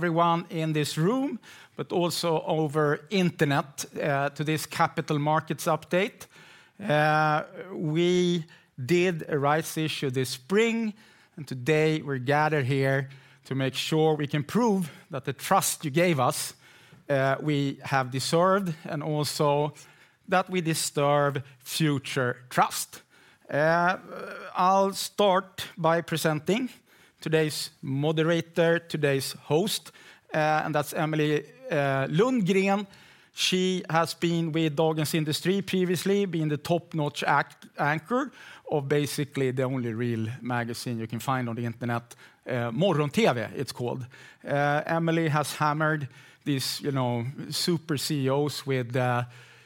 A great welcome to everyone in this room, but also over internet, to this Capital Markets update. We did a rights issue this spring, and today we're gathered here to make sure we can prove that the trust you gave us, we have deserved, and also that we deserve future trust. I'll start by presenting today's moderator, today's host, and that's Emelie Lundgren. She has been with Dagens Industri, previously been the top-notch anchor of basically the only real magazine you can find on the internet, Morgon-TV, it's called. Emelie has hammered these, you know, super CEOs with,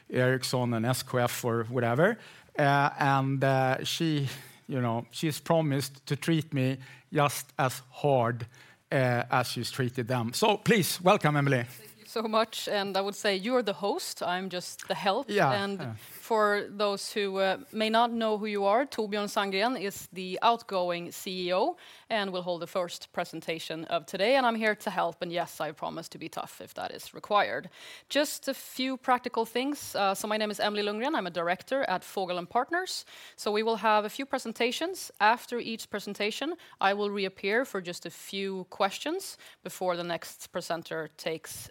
Ericsson and SKF or whatever. And, she, you know, she's promised to treat me just as hard, as she's treated them. So please, welcome, Emelie. Thank you so much, and I would say you're the host, I'm just the help. Yeah. And for those who may not know who you are, Torbjörn Sandberg is the outgoing CEO and will hold the first presentation of today, and I'm here to help, and yes, I promise to be tough if that is required. Just a few practical things. So my name is Emelie Lundgren, I'm a director at Fogel & Partners. So we will have a few presentations. After each presentation, I will reappear for just a few questions before the next presenter takes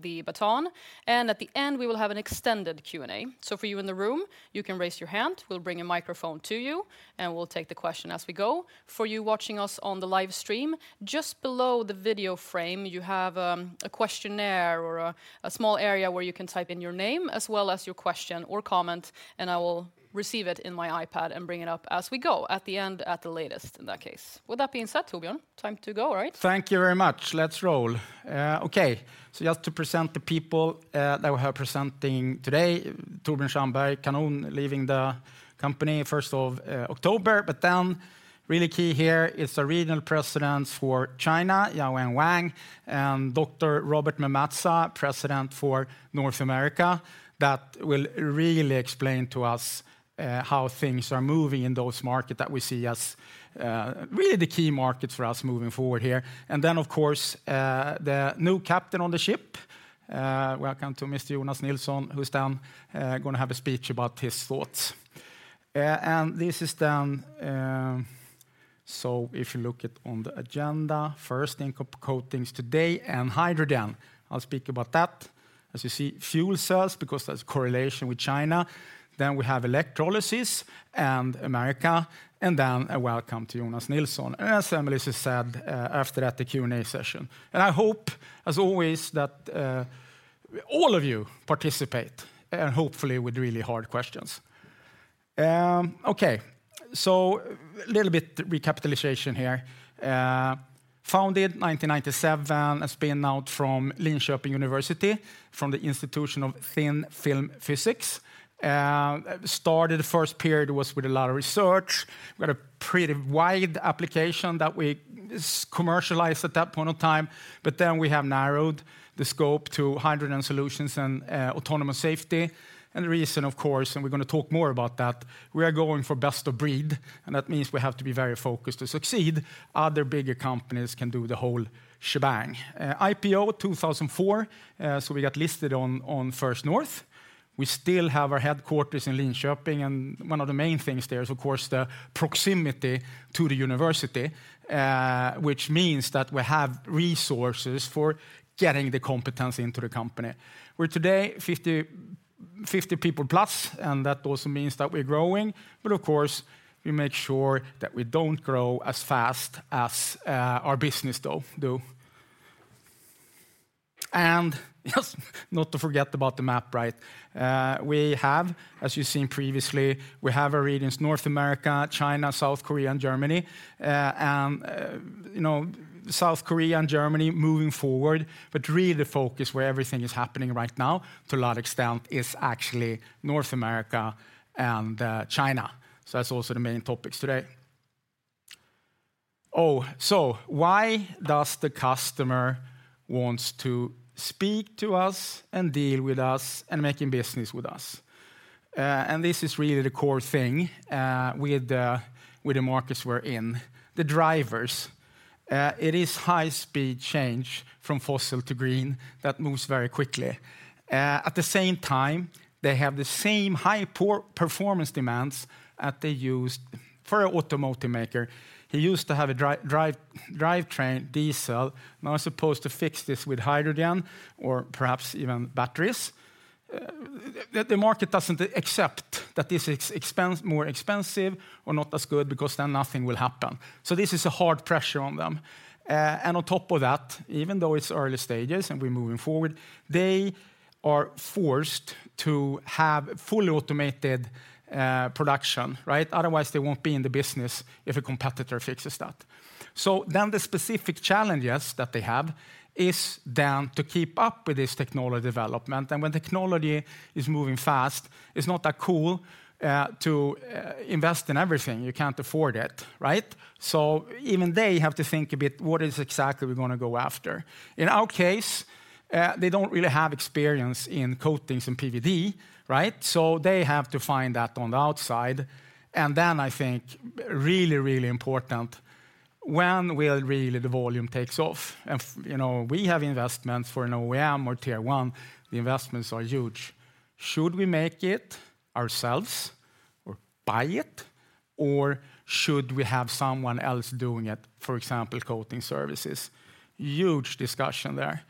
the baton, and at the end, we will have an extended Q&A. So for you in the room, you can raise your hand, we'll bring a microphone to you, and we'll take the question as we go. For you watching us on the live stream, just below the video frame, you have a questionnaire or a small area where you can type in your name, as well as your question or comment, and I will receive it in my iPad and bring it up as we go, at the end, at the latest, in that case. With that being said, Torbjörn, time to go, right? Thank you very much. Let's roll. Okay, so just to present the people that we are presenting today, Torbjörn Sandberg Kanon, leaving the company first of October. But then, really key here is the regional presidents for China, Yaowen Wang, and Dr. Robert Mamazza, president for North America. That will really explain to us how things are moving in those market that we see as really the key markets for us moving forward here. And then, of course, the new captain on the ship, welcome to Mr. Jonas Nilsson, who's then gonna have a speech about his thoughts. And this is then so if you look at on the agenda, first thing, coatings today and hydrogen. I'll speak about that. As you see, fuel cells, because there's correlation with China. Then we have electrolysis and America, and then a welcome to Jonas Nilsson. As Emelie just said, after that, the Q&A session. I hope, as always, that all of you participate, and hopefully with really hard questions. Okay, so a little bit recapitulation here. Founded 1997, a spinout from Linköping University, from the Institution of Thin Film Physics. Started, the first period was with a lot of research. We had a pretty wide application that we commercialized at that point of time, but then we have narrowed the scope to hydrogen solutions and autonomous safety. The reason, of course, and we're gonna talk more about that, we are going for best of breed, and that means we have to be very focused to succeed. Other bigger companies can do the whole shebang. IPO 2004, so we got listed on First North. We still have our headquarters in Linköping, and one of the main things there is, of course, the proximity to the university, which means that we have resources for getting the competence into the company. We're today 50, 50 people-plus, and that also means that we're growing, but of course, we make sure that we don't grow as fast as our business, though, do. And yes, not to forget about the map, right? We have, as you've seen previously, we have our regions, North America, China, South Korea, and Germany. And, you know, South Korea and Germany moving forward, but really the focus where everything is happening right now, to a large extent, is actually North America and China. So that's also the main topics today. Oh, so why does the customer wants to speak to us and deal with us and making business with us? And this is really the core thing with the markets we're in. The drivers, it is high-speed change from fossil to green that moves very quickly. At the same time, they have the same high power performance demands that they used for an automotive maker. He used to have a drive, drivetrain diesel, now supposed to fix this with hydrogen or perhaps even batteries. The market doesn't accept that this is more expensive or not as good, because then nothing will happen. So this is a hard pressure on them. And on top of that, even though it's early stages and we're moving forward, they are forced to have fully automated production, right? Otherwise, they won't be in the business if a competitor fixes that. So then the specific challenges that they have is then to keep up with this technology development, and when technology is moving fast, it's not that cool to invest in everything. You can't afford it, right? So even they have to think a bit, "What is exactly we're gonna go after?" In our case, they don't really have experience in coatings and PVD, right? So they have to find that on the outside, and then I think really, really important, when will really the volume takes off? And you know, we have investments for an OEM or Tier 1, the investments are huge. Should we make it ourselves or buy it, or should we have someone else doing it, for example, coating services? Huge discussion there.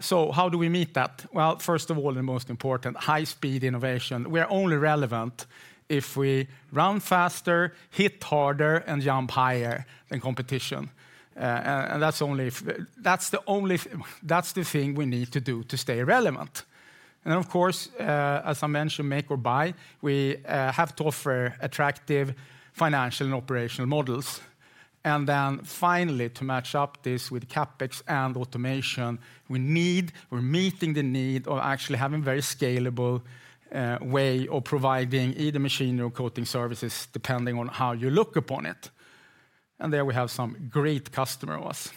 So how do we meet that? Well, first of all, the most important, high speed innovation. We are only relevant if we run faster, hit harder, and jump higher than competition. And that's the thing we need to do to stay relevant. And then, of course, as I mentioned, make or buy, we have to offer attractive financial and operational models. And then finally, to match up this with CapEx and automation, we need, we're meeting the need of actually having very scalable way of providing either machinery or coating services, depending on how you look upon it. And there we have some great customer of us.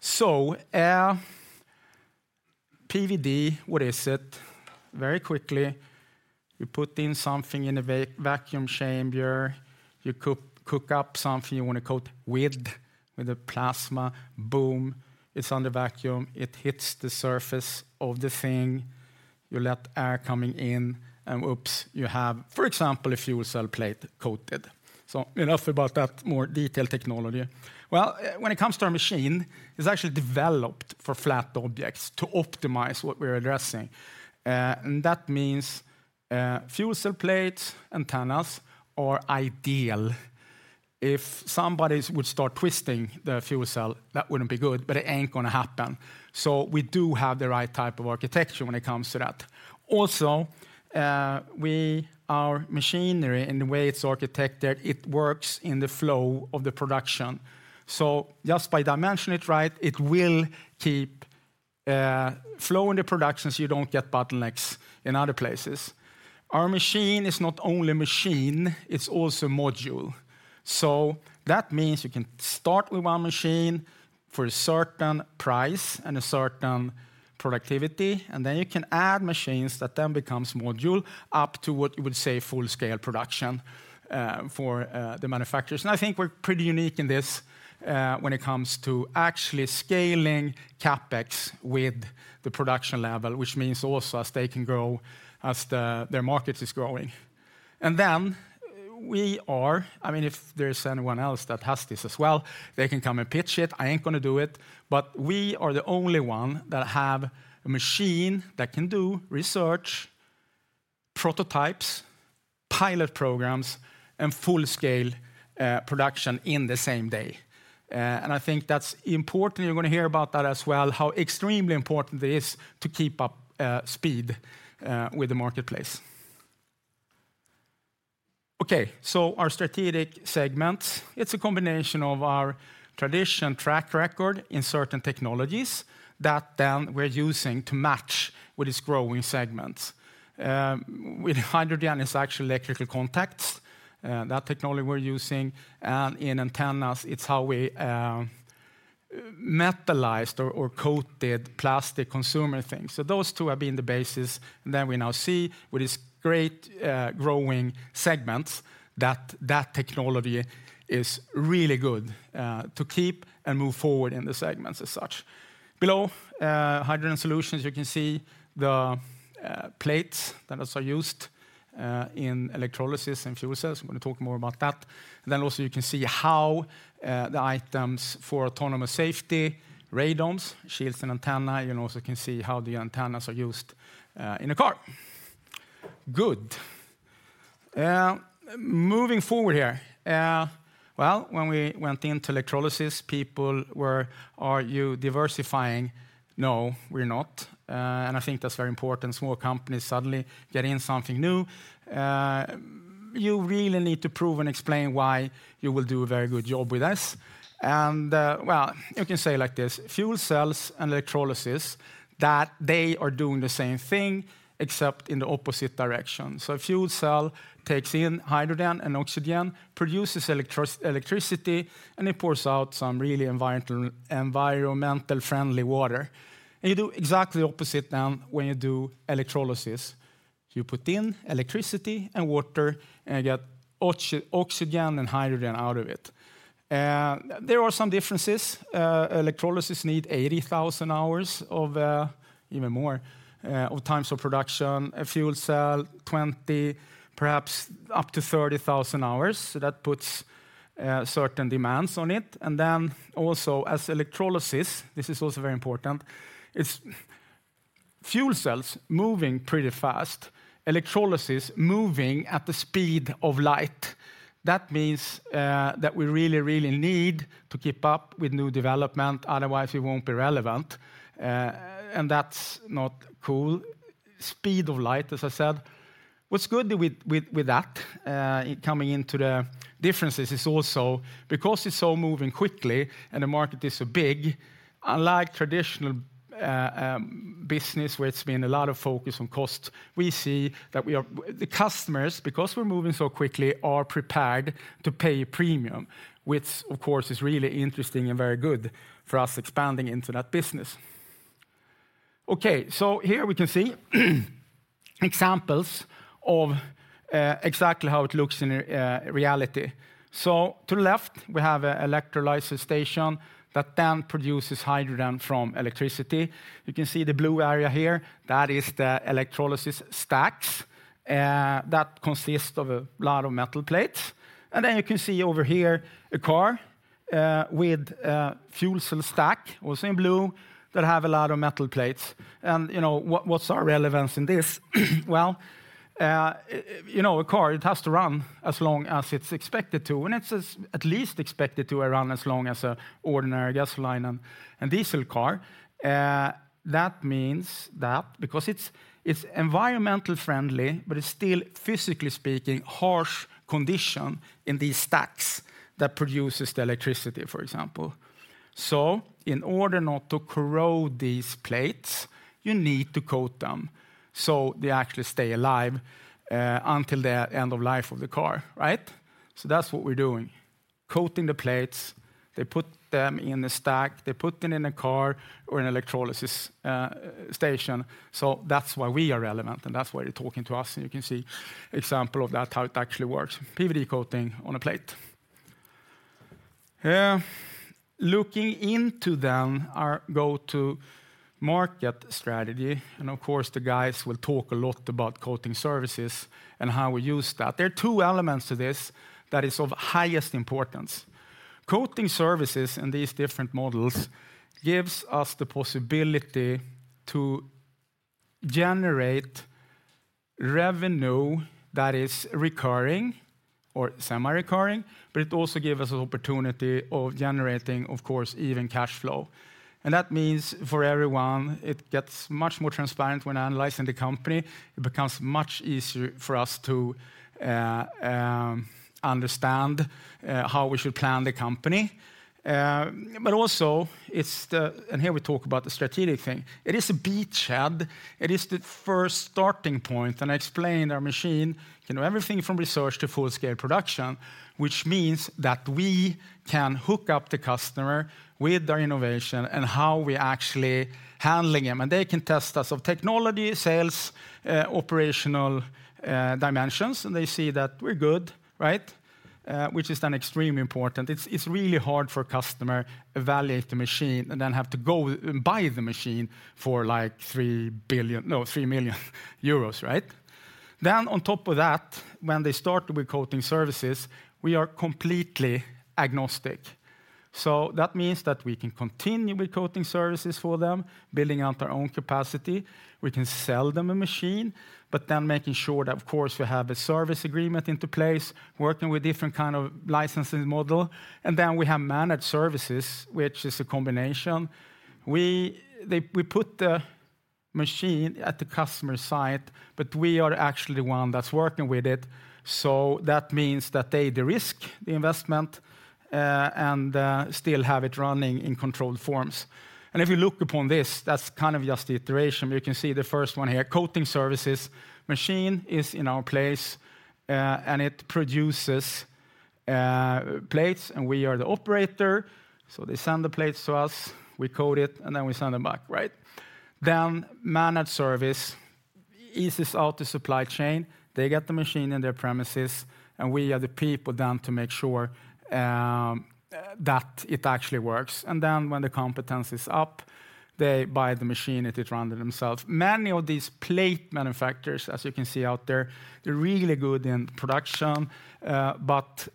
So, PVD, what is it? Very quickly, you put in something in a vacuum chamber, you cook up something you want to coat with a plasma, boom, it's under vacuum, it hits the surface of the thing, you let air coming in, and oops, you have, for example, a fuel cell plate coated. So enough about that more detailed technology. Well, when it comes to our machine, it's actually developed for flat objects to optimize what we're addressing. And that means fuel cell plates, antennas are ideal. If somebody would start twisting the fuel cell, that wouldn't be good, but it ain't gonna happen. So we do have the right type of architecture when it comes to that. Also, our machinery and the way it's architected, it works in the flow of the production. So just by dimensioning it right, it will keep flow in the production, so you don't get bottlenecks in other places. Our machine is not only machine, it's also module. So that means you can start with one machine for a certain price and a certain productivity, and then you can add machines that then becomes module, up to what you would say, full scale production, for the manufacturers. And I think we're pretty unique in this, when it comes to actually scaling CapEx with the production level, which means also as they can grow, as their market is growing. And then we are, I mean, if there's anyone else that has this as well, they can come and pitch it, I ain't gonna do it, but we are the only one that have a machine that can do research, prototypes, pilot programs, and full-scale production in the same day. And I think that's important, you're gonna hear about that as well, how extremely important it is to keep up speed with the marketplace. Okay, so our strategic segments, it's a combination of our traditional track record in certain technologies that then we're using to match with these growing segments. With hydrogen, it's actually electrical contacts that technology we're using, and in antennas, it's how we metallized or coated plastic consumer things. So those two have been the basis, and then we now see with these great, growing segments, that technology is really good, to keep and move forward in the segments as such. Below hydrogen solutions, you can see the plates that also used in electrolysis and fuel cells. I'm gonna talk more about that. Then also, you can see how the items for autonomous safety, radomes, shields, and antenna, you also can see how the antennas are used in a car. Good. Moving forward here, well, when we went into electrolysis, people were, "Are you diversifying?" No, we're not, and I think that's very important. Small companies suddenly get in something new, you really need to prove and explain why you will do a very good job with this. Well, you can say like this: fuel cells and electrolysis, that they are doing the same thing, except in the opposite direction. So a fuel cell takes in hydrogen and oxygen, produces electricity, and it pours out some really environmentally friendly water. And you do exactly the opposite than when you do electrolysis. You put in electricity and water, and you get oxygen and hydrogen out of it. There are some differences. Electrolysis need 80,000 hours of, even more, of times of production. A fuel cell, 20, perhaps up to 30,000 hours, so that puts certain demands on it. And then also as electrolysis, this is also very important, it's fuel cells moving pretty fast, electrolysis moving at the speed of light. That means, that we really, really need to keep up with new development, otherwise, we won't be relevant, and that's not cool. Speed of light, as I said. What's good with that, coming into the differences is also because it's so moving quickly and the market is so big, unlike traditional business, where it's been a lot of focus on cost, we see that we are, the customers, because we're moving so quickly, are prepared to pay a premium, which, of course, is really interesting and very good for us expanding into that business. Okay, so here we can see examples of, exactly how it looks in, reality. So to the left, we have a electrolysis station that then produces hydrogen from electricity. You can see the blue area here, that is the electrolysis stacks that consist of a lot of metal plates. And then you can see over here a car with a fuel cell stack, also in blue, that have a lot of metal plates. And, you know, what, what's our relevance in this? Well, you know, a car, it has to run as long as it's expected to, and it's at least expected to run as long as a ordinary gasoline and diesel car. That means that because it's environmental friendly, but it's still, physically speaking, harsh condition in these stacks that produces the electricity, for example. So in order not to corrode these plates, you need to coat them, so they actually stay alive until the end of life of the car, right? So that's what we're doing, coating the plates, they put them in the stack, they put them in a car or an electrolysis station. So that's why we are relevant, and that's why you're talking to us. And you can see example of that, how it actually works, PVD coating on a plate. Looking into then our go-to-market strategy, and of course, the guys will talk a lot about coating services and how we use that. There are two elements to this that is of highest importance. Coating services and these different models gives us the possibility to generate revenue that is recurring or semi-recurring, but it also give us an opportunity of generating, of course, even cash flow. And that means for everyone, it gets much more transparent when analyzing the company. It becomes much easier for us to understand how we should plan the company. But also, it's the-- and here we talk about the strategic thing. It is a beachhead, it is the first starting point, and I explained our machine, you know, everything from research to full-scale production, which means that we can hook up the customer with their innovation and how we're actually handling them. And they can test us of technology, sales, operational, dimensions, and they see that we're good, right? Which is then extremely important. It's, it's really hard for a customer evaluate the machine and then have to go and buy the machine for, like, 3 billion-- no, 3 million euros, right? Then on top of that, when they start with coating services, we are completely agnostic. So that means that we can continue with coating services for them, building out our own capacity. We can sell them a machine, but then making sure that, of course, we have a service agreement in place, working with different kind of licensing model. And then we have managed services, which is a combination. We put the machine at the customer site, but we are actually the one that's working with it. So that means that they de-risk the investment and still have it running in controlled forms. And if you look upon this, that's kind of just the iteration. You can see the first one here, coating services. Machine is in our place, and it produces plates, and we are the operator. So they send the plates to us, we coat it, and then we send them back, right? Then managed service eases out the supply chain. They get the machine in their premises, and we are the people then to make sure that it actually works. And then when the competence is up, they buy the machine, and it run it themselves. Many of these plate manufacturers, as you can see out there, they're really good in production, but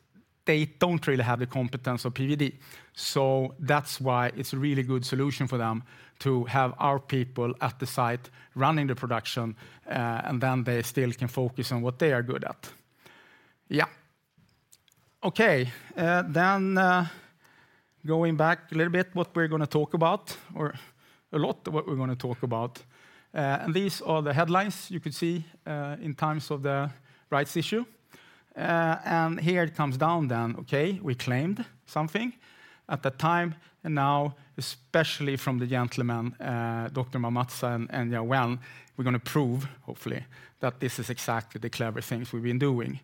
they don't really have the competence of PVD. So that's why it's a really good solution for them to have our people at the site running the production, and then they still can focus on what they are good at. Yeah. Okay, then, going back a little bit, what we're going to talk about, or a lot of what we're going to talk about, and these are the headlines you could see, in terms of the rights issue. And here it comes down then, okay, we claimed something at the time, and now, especially from the gentleman, Dr. Mamazza and, and Yaowen, we're going to prove, hopefully, that this is exactly the clever things we've been doing.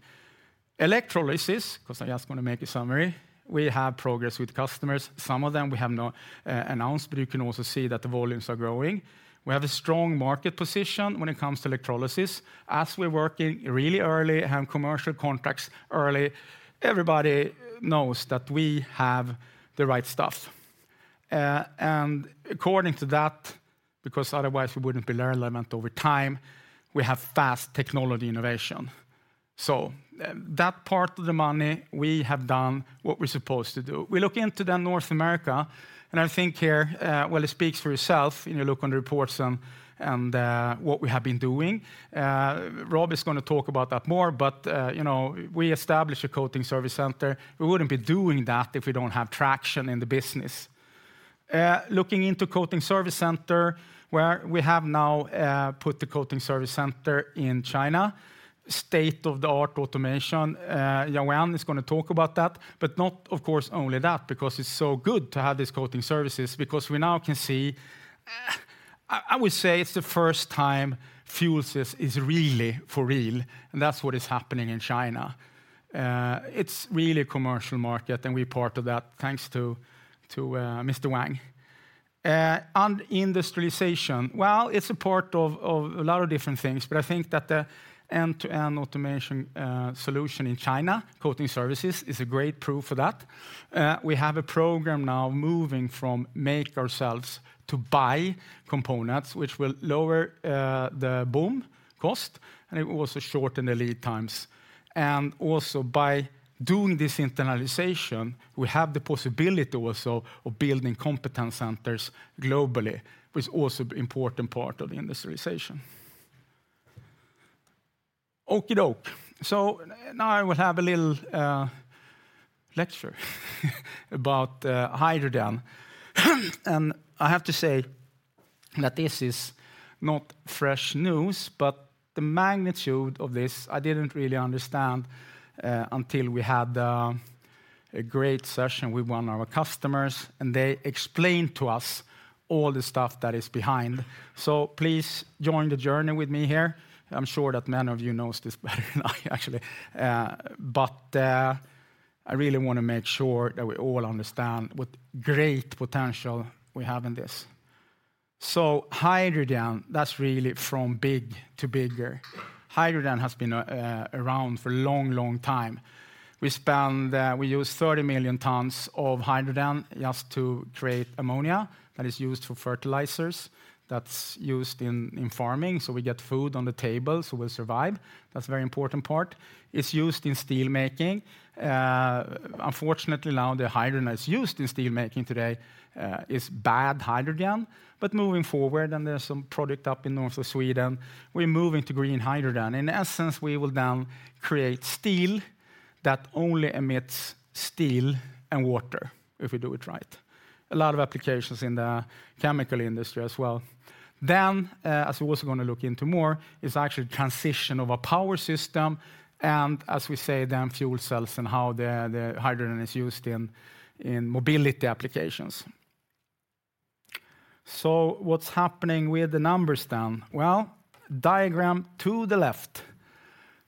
Electrolysis, because I just want to make a summary, we have progress with customers. Some of them we have not announced, but you can also see that the volumes are growing. We have a strong market position when it comes to electrolysis. As we're working really early, have commercial contracts early, everybody knows that we have the right stuff. And according to that, because otherwise, we wouldn't be relevant over time, we have fast technology innovation. So, that part of the money, we have done what we're supposed to do. We look into, then, North America, and I think here, well, it speaks for itself, you know, look on the reports and, and, what we have been doing. Rob is going to talk about that more, but, you know, we established a coating service center. We wouldn't be doing that if we don't have traction in the business. Looking into coating service center, where we have now put the coating service center in China, state-of-the-art automation. Yaowen is going to talk about that, but not, of course, only that, because it's so good to have these coating services, because we now can see, I would say it's the first time fuel cells is really for real, and that's what is happening in China. It's really a commercial market, and we're part of that. Thanks to, Mr. Wang.... Industrialization. Well, it's a part of, of a lot of different things, but I think that the end-to-end automation solution in China, coating services, is a great proof of that. We have a program now moving from make ourselves to buy components, which will lower the BOM cost, and it will also shorten the lead times. And also, by doing this internalization, we have the possibility also of building competence centers globally, which is also important part of the industrialization. Okey-dokey. So now I will have a little lecture about hydrogen. And I have to say that this is not fresh news, but the magnitude of this, I didn't really understand until we had a great session with one of our customers, and they explained to us all the stuff that is behind. So please join the journey with me here. I'm sure that many of you knows this better than I, actually. But I really want to make sure that we all understand what great potential we have in this. So hydrogen, that's really from big to bigger. Hydrogen has been around for a long, long time. We use 30 million tons of hydrogen just to create ammonia, that is used for fertilizers, that's used in farming, so we get food on the table, so we survive. That's a very important part. It's used in steel making. Unfortunately, now, the hydrogen that's used in steel making today is bad hydrogen, but moving forward, and there's some product up in north of Sweden, we're moving to green hydrogen. In essence, we will then create steel that only emits steel and water, if we do it right. A lot of applications in the chemical industry as well. Then, as we're also gonna look into more, is actually transition of a power system, and as we say, then fuel cells and how the, the hydrogen is used in, in mobility applications. So what's happening with the numbers then? Well, diagram to the left,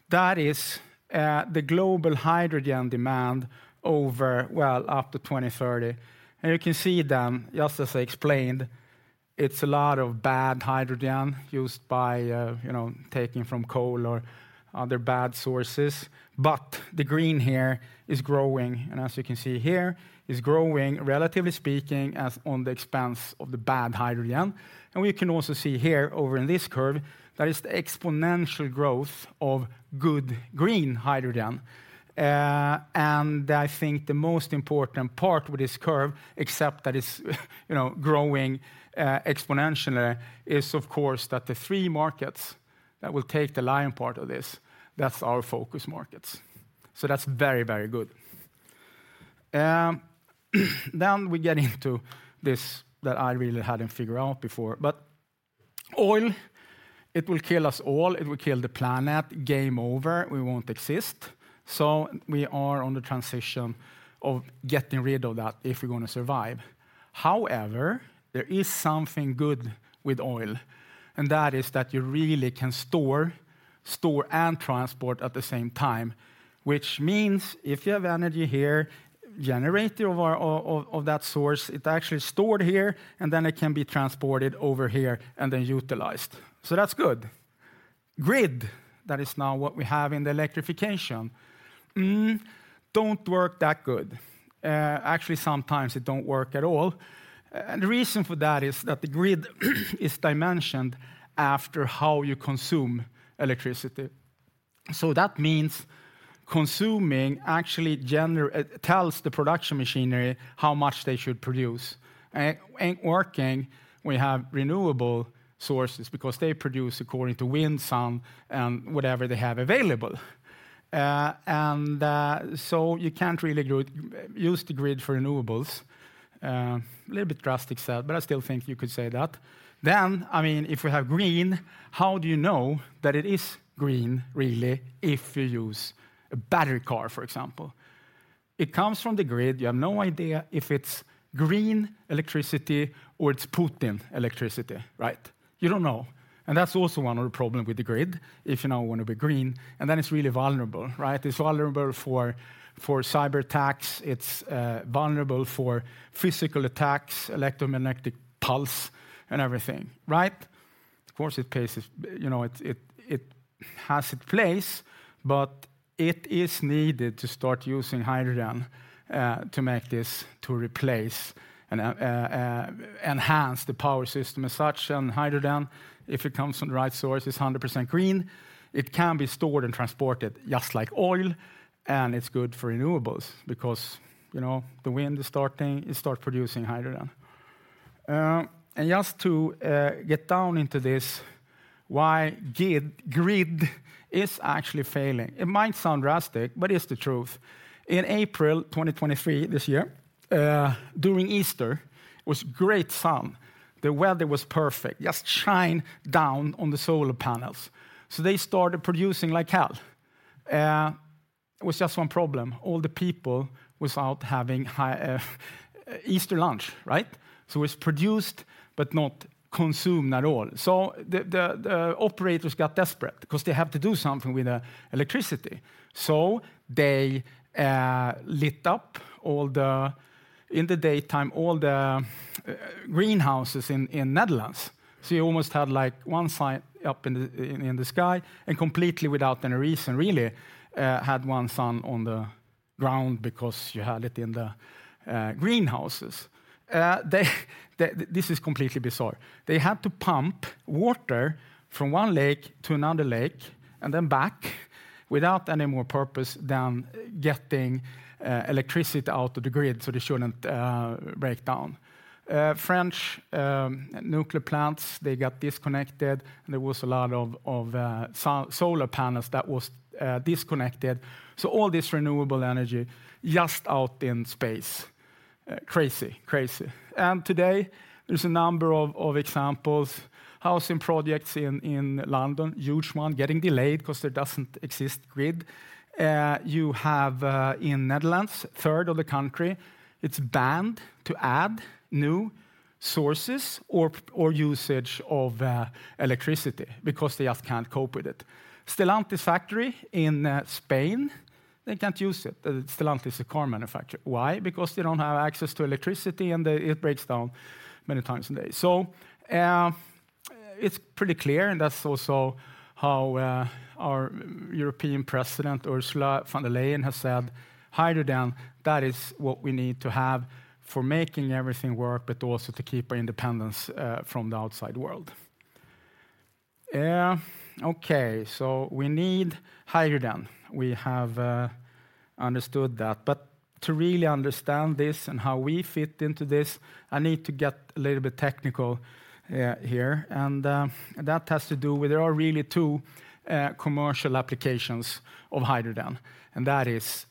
that is, the global hydrogen demand over, well, up to 2030. And you can see then, just as I explained, it's a lot of bad hydrogen used by, you know, taking from coal or other bad sources. But the green here is growing, and as you can see here, is growing, relatively speaking, as on the expense of the bad hydrogen. And we can also see here, over in this curve, that is the exponential growth of good green hydrogen. And I think the most important part with this curve, except that it's, you know, growing exponentially, is, of course, that the three markets that will take the lion's share of this, that's our focus markets. So that's very, very good. Then we get into this, that I really hadn't figured out before, but oil, it will kill us all, it will kill the planet. Game over, we won't exist. So we are on the transition of getting rid of that if we're gonna survive. However, there is something good with oil, and that is that you really can store and transport at the same time, which means if you have energy here from that source, it's actually stored here, and then it can be transported over here and then utilized. So that's good. Grid, that is now what we have in the electrification, don't work that good. Actually, sometimes it don't work at all. And the reason for that is that the grid is dimensioned after how you consume electricity. So that means consuming actually tells the production machinery how much they should produce. Ain't working, we have renewable sources because they produce according to wind, sun, and whatever they have available. So you can't really go use the grid for renewables. A little bit drastic said, but I still think you could say that. Then, I mean, if we have green, how do you know that it is green, really, if you use a battery car, for example? It comes from the grid. You have no idea if it's green electricity or it's Putin electricity, right? You don't know, and that's also one of the problem with the grid, if you now want to be green, and then it's really vulnerable, right? It's vulnerable for, for cyberattacks. It's vulnerable for physical attacks, electromagnetic pulse, and everything, right? Of course, it pays it. You know, it has its place, but it is needed to start using hydrogen to make this, to replace and enhance the power system as such. And hydrogen, if it comes from the right source, is 100% green. It can be stored and transported just like oil, and it's good for renewables because, you know, the wind is starting, it starts producing hydrogen. And just to get down into this, why grid is actually failing. It might sound drastic, but it's the truth. In April 2023, this year, during Easter, was great sun. The weather was perfect, just shine down on the solar panels. So they started producing like hell. It was just one problem. All the people was out having high Easter lunch, right? So it's produced but not consumed at all. So the operators got desperate because they have to do something with the electricity. So they lit up all the, in the daytime, all the greenhouses in Netherlands. So you almost had, like, one sun up in the sky, and completely without any reason, really, had one sun on the ground because you had it in the greenhouses. They-- this is completely bizarre. They had to pump water from one lake to another lake and then back, without any more purpose than getting electricity out of the grid so they shouldn't break down. French nuclear plants, they got disconnected, and there was a lot of solar panels that was disconnected. So all this renewable energy, just out in space. Crazy, crazy. And today, there's a number of examples. Housing projects in London, huge one, getting delayed because there doesn't exist grid. You have, in Netherlands, a third of the country, it's banned to add new sources or usage of electricity because they just can't cope with it. Stellantis factory in Spain, they can't use it. Stellantis is a car manufacturer. Why? Because they don't have access to electricity and it breaks down many times a day. So, it's pretty clear, and that's also how our European president, Ursula von der Leyen, has said: "Hydrogen, that is what we need to have for making everything work, but also to keep our independence from the outside world." Okay, so we need hydrogen. We have understood that, but to really understand this and how we fit into this, I need to get a little bit technical here. That has to do with there are really two commercial applications of hydrogen, and that is,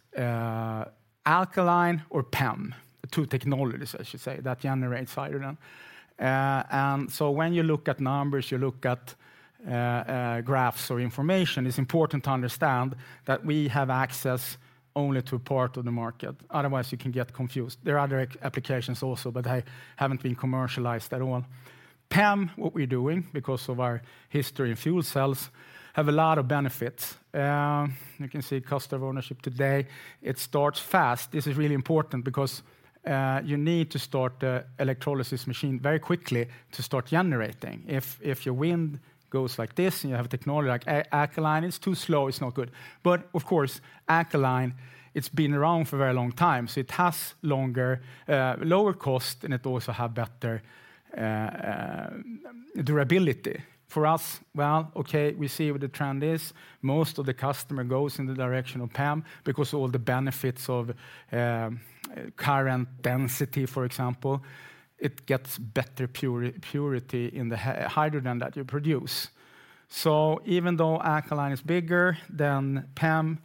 alkaline or PEM, the two technologies, I should say, that generates hydrogen. And so when you look at numbers, you look at, graphs or information, it's important to understand that we have access only to a part of the market. Otherwise, you can get confused. There are other applications also, but they haven't been commercialized at all. PEM, what we're doing because of our history in fuel cells, have a lot of benefits. You can see cost of ownership today. It starts fast. This is really important because, you need to start the electrolysis machine very quickly to start generating. If your wind goes like this, and you have a technology like alkaline, it's too slow, it's not good. But of course, alkaline, it's been around for a very long time, so it has longer, lower cost, and it also have better, durability. For us, well, okay, we see what the trend is. Most of the customer goes in the direction of PEM because all the benefits of current density, for example, it gets better purity in the hydrogen that you produce. So even though alkaline is bigger than PEM,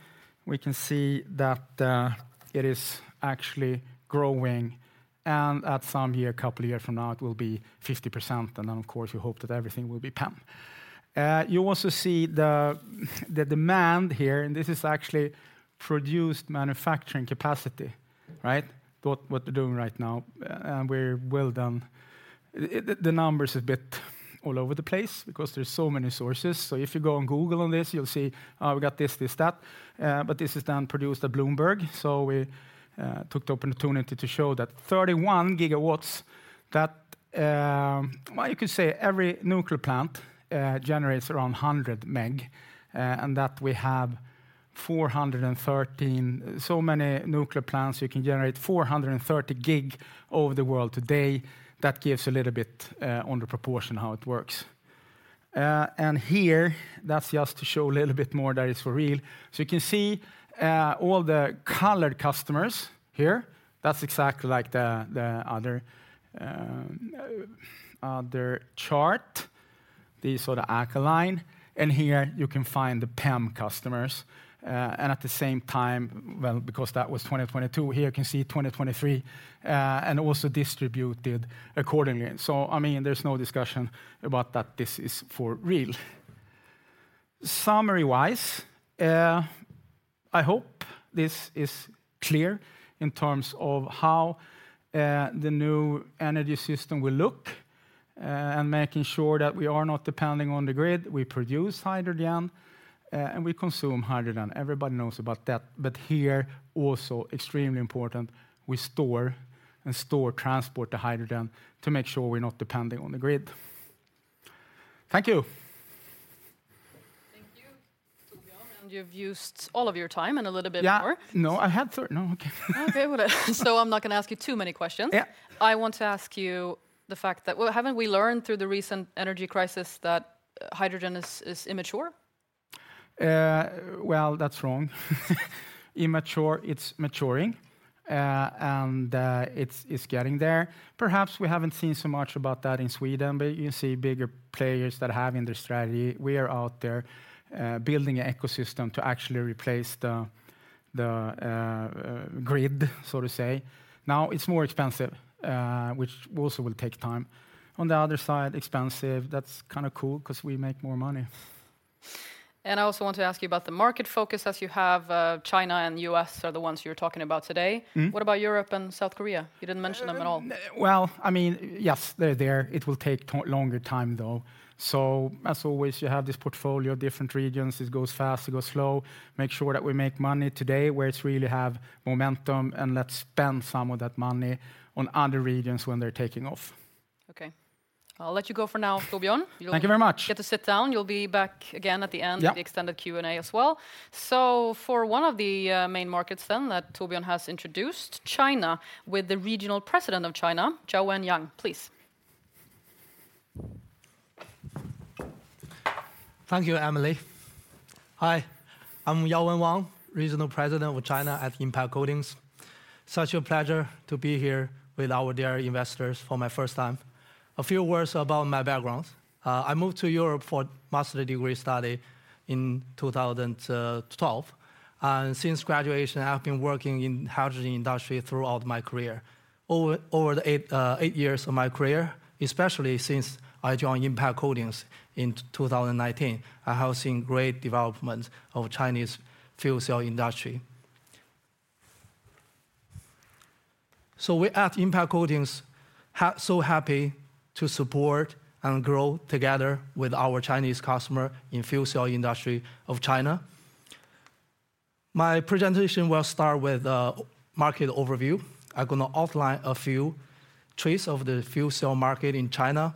we can see that it is actually growing, and at some year, a couple of years from now, it will be 50%. And then, of course, we hope that everything will be PEM. You also see the demand here, and this is actually produced manufacturing capacity, right? What we're doing right now, and we're well done. The numbers a bit all over the place because there's so many sources. So if you go and Google on this, you'll see, oh, we got this, this, that. But this is then produced at Bloomberg, so we took the opportunity to show that 31 GW, that... Well, you could say every nuclear plant generates around 100 MW, and that we have 413. So many nuclear plants, you can generate 430 GW over the world today. That gives a little bit on the proportion how it works. And here, that's just to show a little bit more that it's for real. So you can see all the colored customers here, that's exactly like the other chart, the sort of alkaline. Here you can find the PEM customers, and at the same time, well, because that was 2022, here you can see 2023, and also distributed accordingly. So I mean, there's no discussion about that this is for real. Summary-wise, I hope this is clear in terms of how the new energy system will look, and making sure that we are not depending on the grid. We produce hydrogen, and we consume hydrogen. Everybody knows about that. But here, also extremely important, we store and store, transport the hydrogen to make sure we're not depending on the grid. Thank you. Thank you, Torbjörn. You've used all of your time and a little bit more. Yeah. No, okay. Okay with it. I'm not going to ask you too many questions. Yeah. I want to ask you the fact that... Well, haven't we learned through the recent energy crisis that hydrogen is immature? Well, that's wrong. Immature, it's maturing, and it's getting there. Perhaps we haven't seen so much about that in Sweden, but you can see bigger players that have in their strategy. We are out there building an ecosystem to actually replace the grid, so to say. Now, it's more expensive, which also will take time. On the other side, expensive, that's kind of cool 'cause we make more money.... I also want to ask you about the market focus as you have, China and U.S. are the ones you're talking about today. Mm-hmm. What about Europe and South Korea? You didn't mention them at all. Well, I mean, yes, they're there. It will take longer time, though. So as always, you have this portfolio of different regions. It goes fast, it goes slow. Make sure that we make money today where it's really have momentum, and let's spend some of that money on other regions when they're taking off. Okay. I'll let you go for now, Torbjörn. Thank you very much. You'll get to sit down. You'll be back again at the end- Yeah... of the extended Q&A as well. So for one of the main markets then, that Torbjörn has introduced, China, with the regional president of China, Yaowen Wang, please. Thank you, Emelie. Hi, I'm Yaowen Wang, Regional President of China at Impact Coatings. Such a pleasure to be here with our dear investors for my first time. A few words about my background. I moved to Europe for master's degree study in 2012, and since graduation, I've been working in hydrogen industry throughout my career. Over the eight years of my career, especially since I joined Impact Coatings in 2019, I have seen great development of Chinese fuel cell industry. So we at Impact Coatings, so happy to support and grow together with our Chinese customer in fuel cell industry of China. My presentation will start with a market overview. I'm gonna outline a few traits of the fuel cell market in China,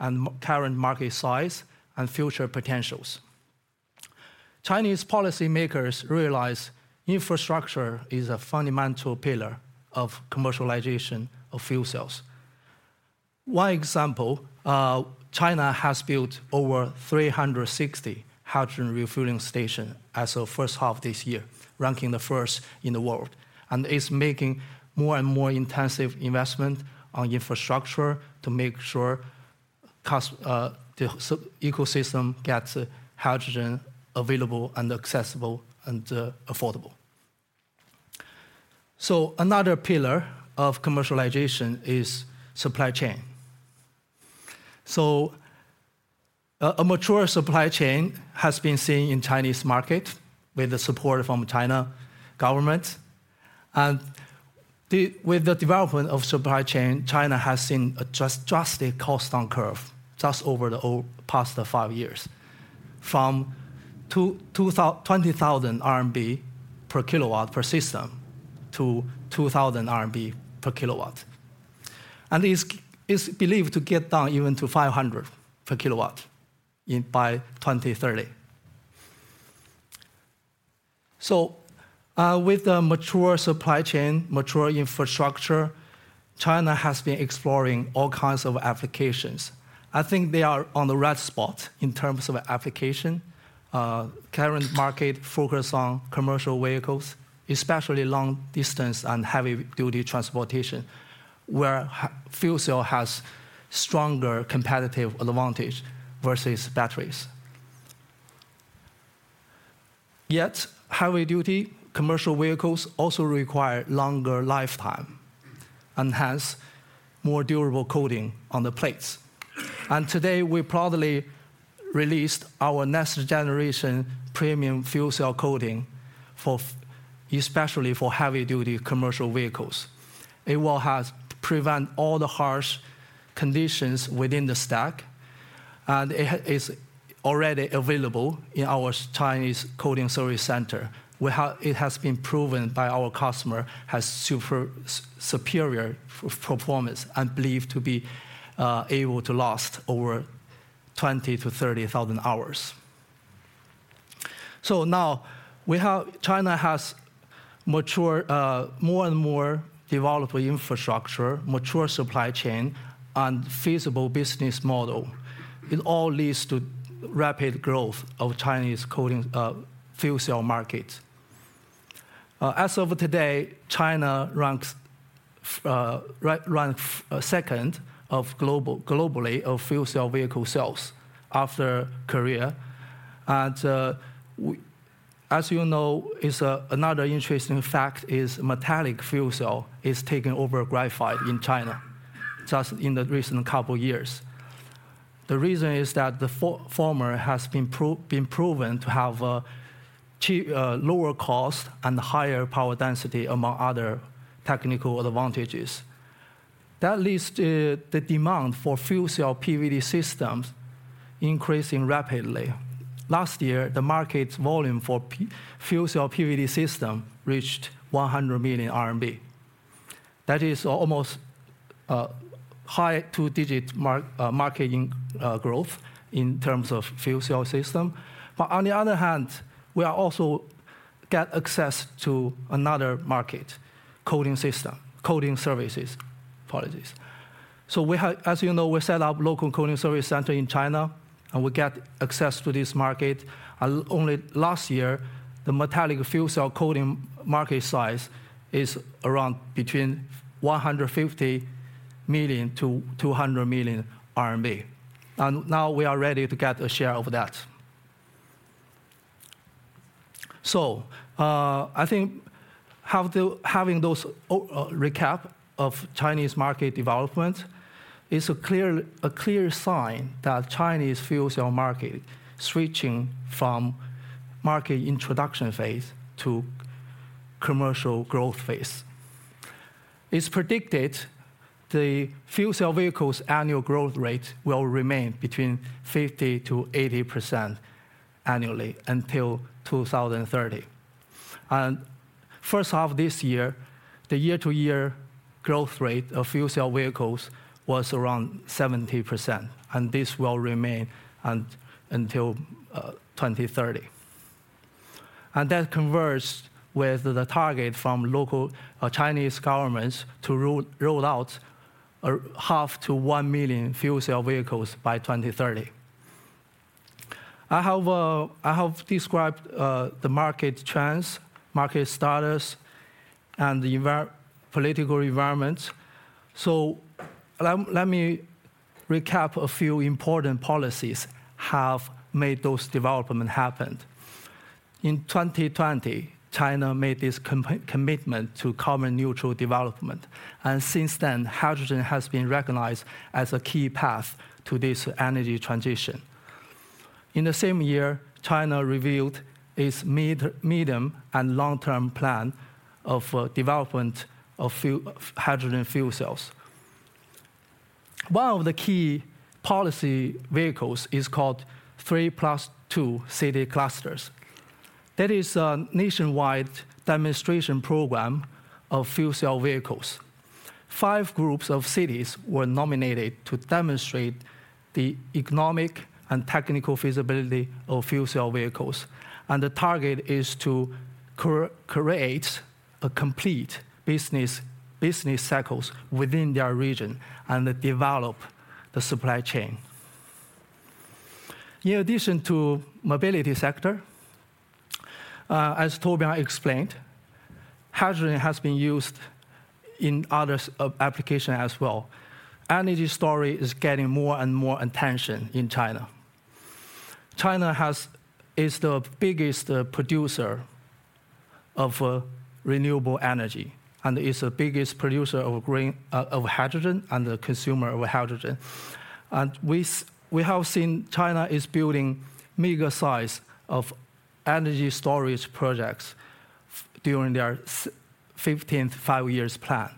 and current market size and future potentials. Chinese policymakers realize infrastructure is a fundamental pillar of commercialization of fuel cells. One example, China has built over 360 hydrogen refueling stations as of first half this year, ranking first in the world, and is making more and more intensive investment on infrastructure to make sure the ecosystem gets hydrogen available and accessible and affordable. So another pillar of commercialization is supply chain. So a mature supply chain has been seen in Chinese market with the support from China government, and with the development of supply chain, China has seen a drastic cost down curve just over the past five years, from 20,000 RMB per kilowatt per system to 2,000 RMB per kilowatt. And it's believed to get down even to 500 per kilowatt by 2030. So, with the mature supply chain, mature infrastructure, China has been exploring all kinds of applications. I think they are on the right spot in terms of application. Current market focus on commercial vehicles, especially long distance and heavy-duty transportation, where fuel cell has stronger competitive advantage versus batteries. Yet, heavy-duty commercial vehicles also require longer lifetime, and hence, more durable coating on the plates. And today, we proudly released our next generation premium fuel cell coating, especially for heavy-duty commercial vehicles. It will have to prevent all the harsh conditions within the stack, and it is already available in our Chinese coating service center, where it has been proven by our customer, has superior performance, and believed to be able to last over 20,000-30,000 hours. So now, China has mature, more and more developed infrastructure, mature supply chain, and feasible business model. It all leads to rapid growth of Chinese coating, fuel cell market. As of today, China ranks second globally in fuel cell vehicle sales after Korea. As you know, another interesting fact is metallic fuel cell is taking over graphite in China just in the recent couple years. The reason is that the former has been proven to have a lower cost and higher power density, among other technical advantages. That leads to the demand for fuel cell PVD systems increasing rapidly. Last year, the market volume for fuel cell PVD system reached 100 million RMB. That is almost, high two-digit mark, market growth in terms of fuel cell system. But on the other hand, we are also get access to another market, coating system, coating services. Apologies. So we have, as you know, we set up local coating service center in China, and we get access to this market. And only last year, the metallic fuel cell coating market size is around between 150 million-200 million RMB. And now we are ready to get a share of that. So, I think having those recap of Chinese market development is a clear, a clear sign that Chinese fuel cell market switching from market introduction phase to commercial growth phase. It's predicted the fuel cell vehicles' annual growth rate will remain between 50%-80% annually until 2030. The first half of this year, the year-to-year growth rate of fuel cell vehicles was around 70%, and this will remain until 2030. That converts with the target from local Chinese governments to roll out 0.5 million-1 million fuel cell vehicles by 2030. I have, I have described the market trends, market status, and the environmental and political environment, so let me recap. A few important policies have made those developments happen. In 2020, China made this commitment to carbon-neutral development, and since then, hydrogen has been recognized as a key path to this energy transition. In the same year, China revealed its medium- and long-term plan of development of hydrogen fuel cells. One of the key policy vehicles is called 3+2 city clusters. That is a nationwide demonstration program of fuel cell vehicles. Five groups of cities were nominated to demonstrate the economic and technical feasibility of fuel cell vehicles, and the target is to create a complete business cycles within their region and develop the supply chain. In addition to mobility sector, as Torbjörn explained, hydrogen has been used in other application as well. Energy storage is getting more and more attention in China. China is the biggest producer of renewable energy and is the biggest producer of green hydrogen and a consumer of hydrogen. We have seen China is building mega size of energy storage projects during their fifteenth five years plan.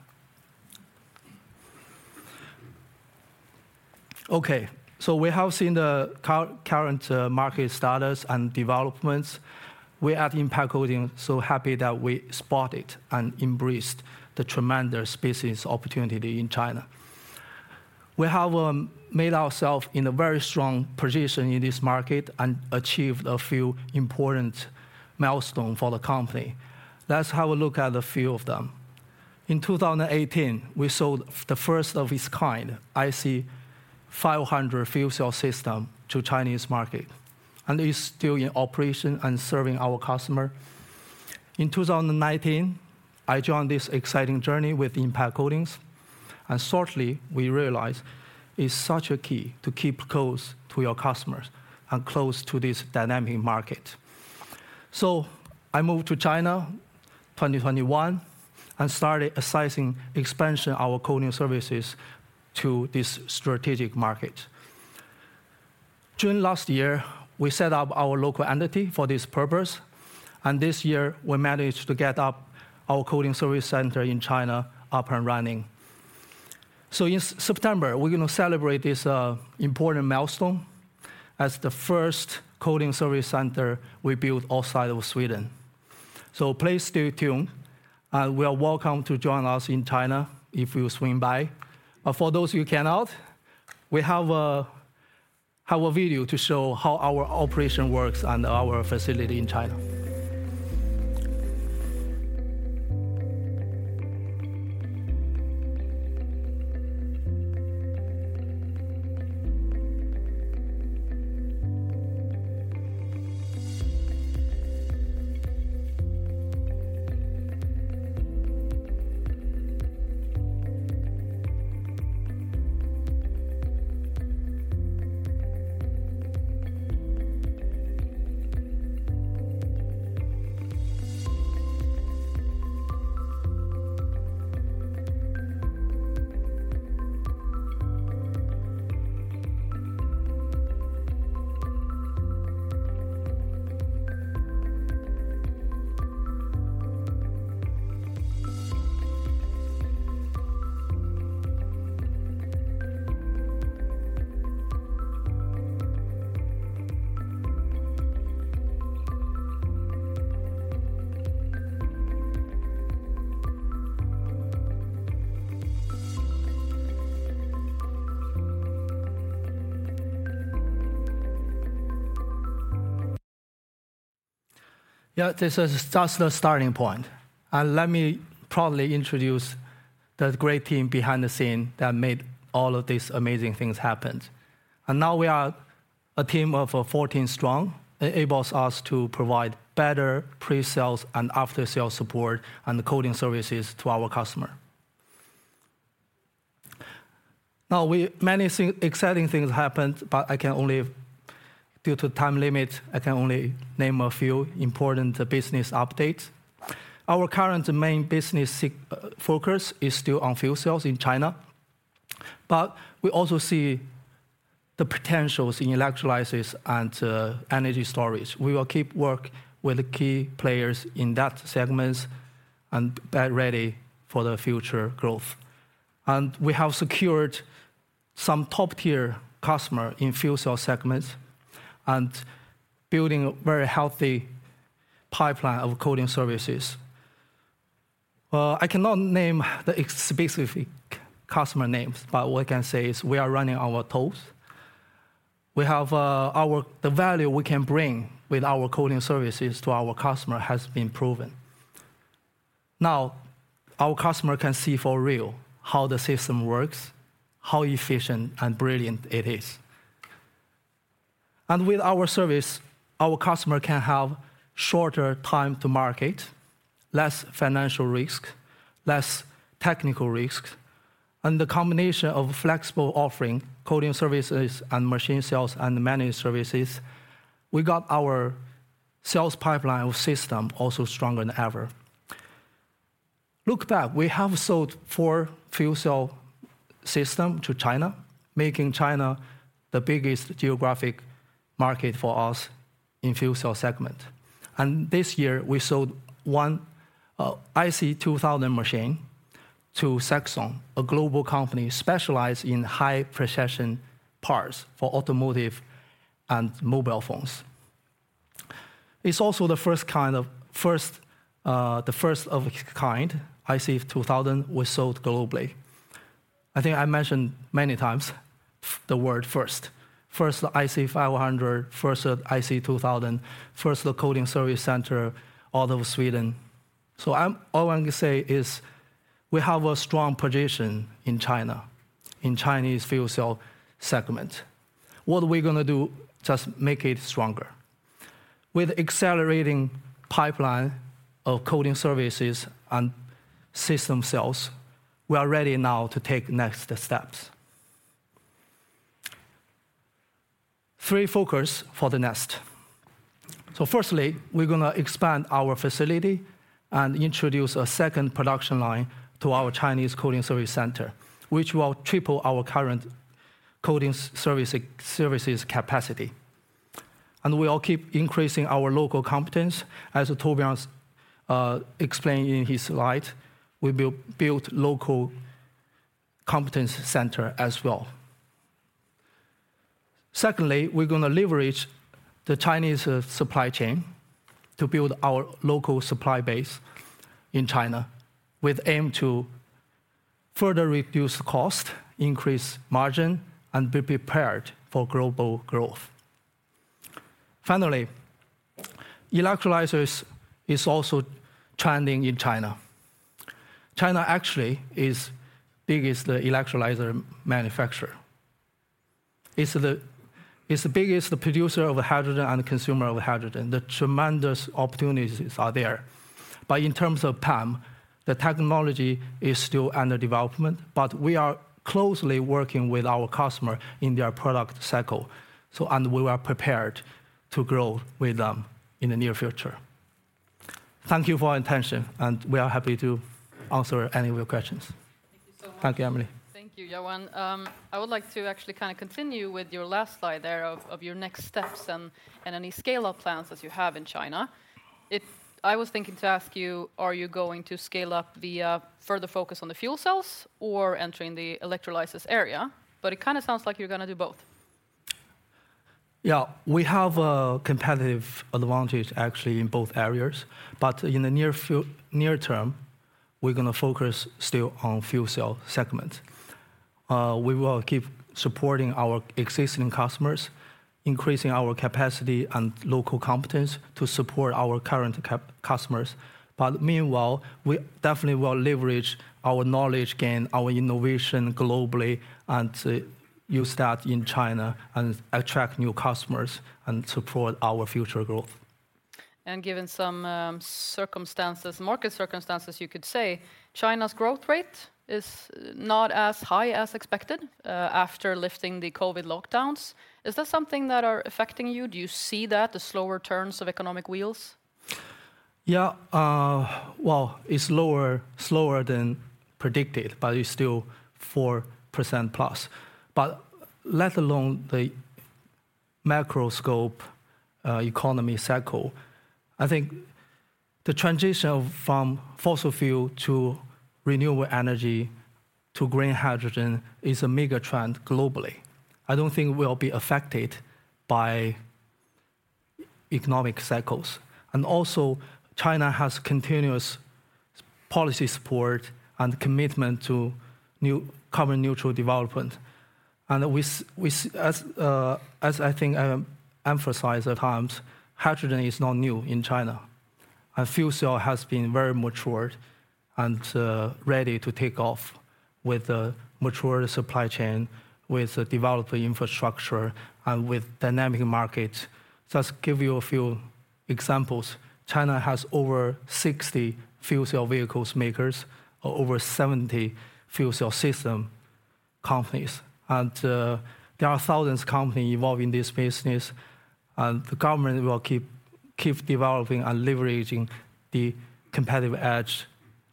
Okay, so we have seen the current market status and developments. We at Impact Coatings, so happy that we spotted and embraced the tremendous business opportunity in China. We have made ourselves in a very strong position in this market and achieved a few important milestones for the company. Let's have a look at a few of them. In 2018, we sold the first of its kind, IC500 fuel cell system to Chinese market, and it's still in operation and serving our customer. In 2019, I joined this exciting journey with Impact Coatings, and shortly we realized it's such a key to keep close to your customers and close to this dynamic market. So I moved to China, 2021, and started a sizing expansion our coating services to this strategic market. June last year, we set up our local entity for this purpose, and this year, we managed to get up our coating service center in China up and running. So in September, we're gonna celebrate this important milestone as the first coating service center we built outside of Sweden. So please stay tuned, and you are welcome to join us in China if you swing by. But for those who cannot, we have a video to show how our operation works and our facility in China. Yeah, this is just the starting point, and let me proudly introduce the great team behind the scene that made all of these amazing things happened. And now we are a team of 14 strong, enables us to provide better pre-sales and after-sales support and coating services to our customer.... Now, many exciting things happened, but due to time limit, I can only name a few important business updates. Our current main business focus is still on fuel cells in China, but we also see the potentials in electrolysis and energy storage. We will keep work with the key players in that segments and get ready for the future growth. And we have secured some top-tier customer in fuel cell segments, and building a very healthy pipeline of coating services. I cannot name the specific customer names, but what I can say is we are running our tests. We have, the value we can bring with our coating services to our customer has been proven. Now, our customer can see for real how the system works, how efficient and brilliant it is. With our service, our customer can have shorter time to market, less financial risk, less technical risk, and the combination of flexible offering, coating services and machine sales and managed services, we got our sales pipeline of system also stronger than ever. Look back, we have sold four fuel cell system to China, making China the biggest geographic market for us in fuel cell segment. And this year, we sold one IC2000 machine to Saxon, a global company specialized in high-precision parts for automotive and mobile phones. It's also the first of a kind, IC2000 was sold globally. I think I mentioned many times the word first: first IC500, first IC2000, first the coating service center out of Sweden. So all I want to say is, we have a strong position in China, in Chinese fuel cell segment. What are we gonna do? Just make it stronger. With accelerating pipeline of coating services and system sales, we are ready now to take next steps. Three focus for the next. So firstly, we're gonna expand our facility and introduce a second production line to our Chinese coating service center, which will triple our current coating services capacity. And we will keep increasing our local competence. As Torbjörn explained in his slide, we built local competence center as well. Secondly, we're gonna leverage the Chinese supply chain to build our local supply base in China, with aim to further reduce cost, increase margin, and be prepared for global growth. Finally, electrolysis is also trending in China. China actually is biggest electrolyzer manufacturer. It's the biggest producer of hydrogen and consumer of hydrogen. The tremendous opportunities are there. But in terms of time, the technology is still under development, but we are closely working with our customer in their product cycle, so... We are prepared to grow with them in the near future. Thank you for your attention, and we are happy to answer any of your questions. Thank you so much. Thank you, Emelie. Thank you, Yaowen. I would like to actually kind of continue with your last slide there of your next steps and any scale-up plans that you have in China. I was thinking to ask you, are you going to scale up via further focus on the fuel cells or entering the electrolysis area? But it kind of sounds like you're gonna do both. Yeah, we have a competitive advantage, actually, in both areas, but in the near term, we're gonna focus still on fuel cell segment. We will keep supporting our existing customers, increasing our capacity and local competence to support our current customers. But meanwhile, we definitely will leverage our knowledge, gain our innovation globally, and use that in China and attract new customers and support our future growth. Given some circumstances, market circumstances, you could say, China's growth rate is not as high as expected after lifting the COVID lockdowns. Is that something that are affecting you? Do you see that, the slower turns of economic wheels? Yeah, well, it's lower, slower than predicted, but it's still 4%+. But let alone the macroeconomic cycle, I think the transition from fossil fuel to renewable energy to green hydrogen is a mega trend globally. I don't think we'll be affected by economic cycles. And also, China has continuous policy support and commitment to new carbon-neutral development. And as, as I think I emphasized at times, hydrogen is not new in China, and fuel cell has been very matured and ready to take off with a mature supply chain, with a developed infrastructure, and with dynamic markets. Just give you a few examples, China has over 60 fuel cell vehicles makers or over 70 fuel cell system companies. There are thousands of companies involved in this business, and the government will keep developing and leveraging the competitive edge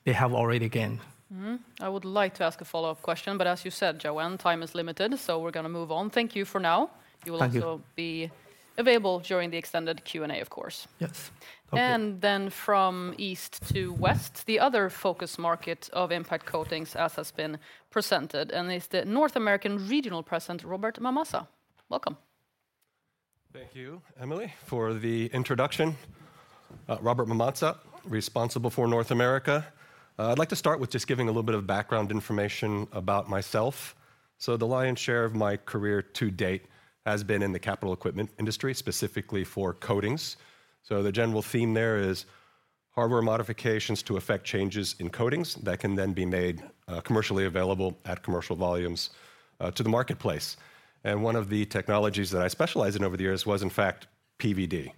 they have already gained. Mm-hmm. I would like to ask a follow-up question, but as you said, Yaowen, time is limited, so we're gonna move on. Thank you for now. Thank you. You will also be available during the extended Q&A, of course. Yes. Thank you. And then from east to west, the other focus market of Impact Coatings, as has been presented, and is the North American Regional President, Robert Mamazza. Welcome. Thank you, Emelie, for the introduction. Robert Mamazza, responsible for North America. I'd like to start with just giving a little bit of background information about myself. So the lion's share of my career to date has been in the capital equipment industry, specifically for coatings. So the general theme there is hardware modifications to effect changes in coatings that can then be made commercially available at commercial volumes to the marketplace. And one of the technologies that I specialized in over the years was, in fact, PVD.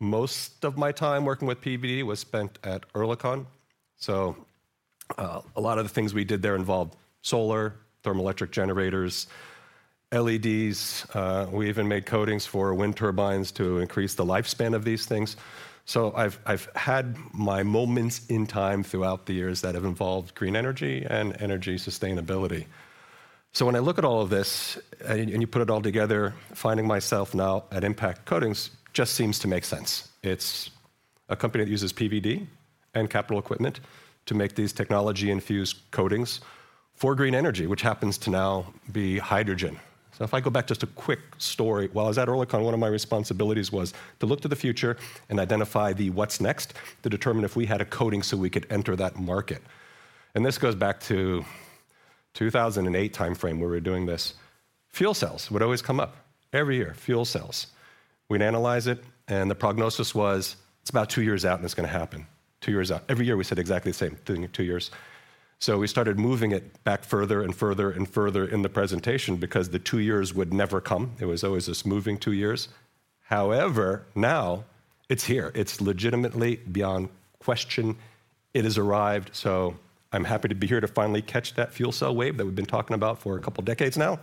Most of my time working with PVD was spent at Oerlikon, so a lot of the things we did there involved solar, thermoelectric generators, LEDs, we even made coatings for wind turbines to increase the lifespan of these things. So I've had my moments in time throughout the years that have involved green energy and energy sustainability. So when I look at all of this and you put it all together, finding myself now at Impact Coatings just seems to make sense. It's a company that uses PVD and capital equipment to make these technology-infused coatings for green energy, which happens to now be hydrogen. So if I go back just a quick story. While I was at Oerlikon, one of my responsibilities was to look to the future and identify the what's next, to determine if we had a coating so we could enter that market. And this goes back to 2008 timeframe, where we were doing this. Fuel cells would always come up. Every year, fuel cells. We'd analyze it, and the prognosis was, "It's about two years out, and it's gonna happen. Two years out." Every year, we said exactly the same thing, two years. So we started moving it back further and further and further in the presentation because the two years would never come. It was always this moving two years. However, now it's here. It's legitimately beyond question, it has arrived, so I'm happy to be here to finally catch that fuel cell wave that we've been talking about for a couple decades now,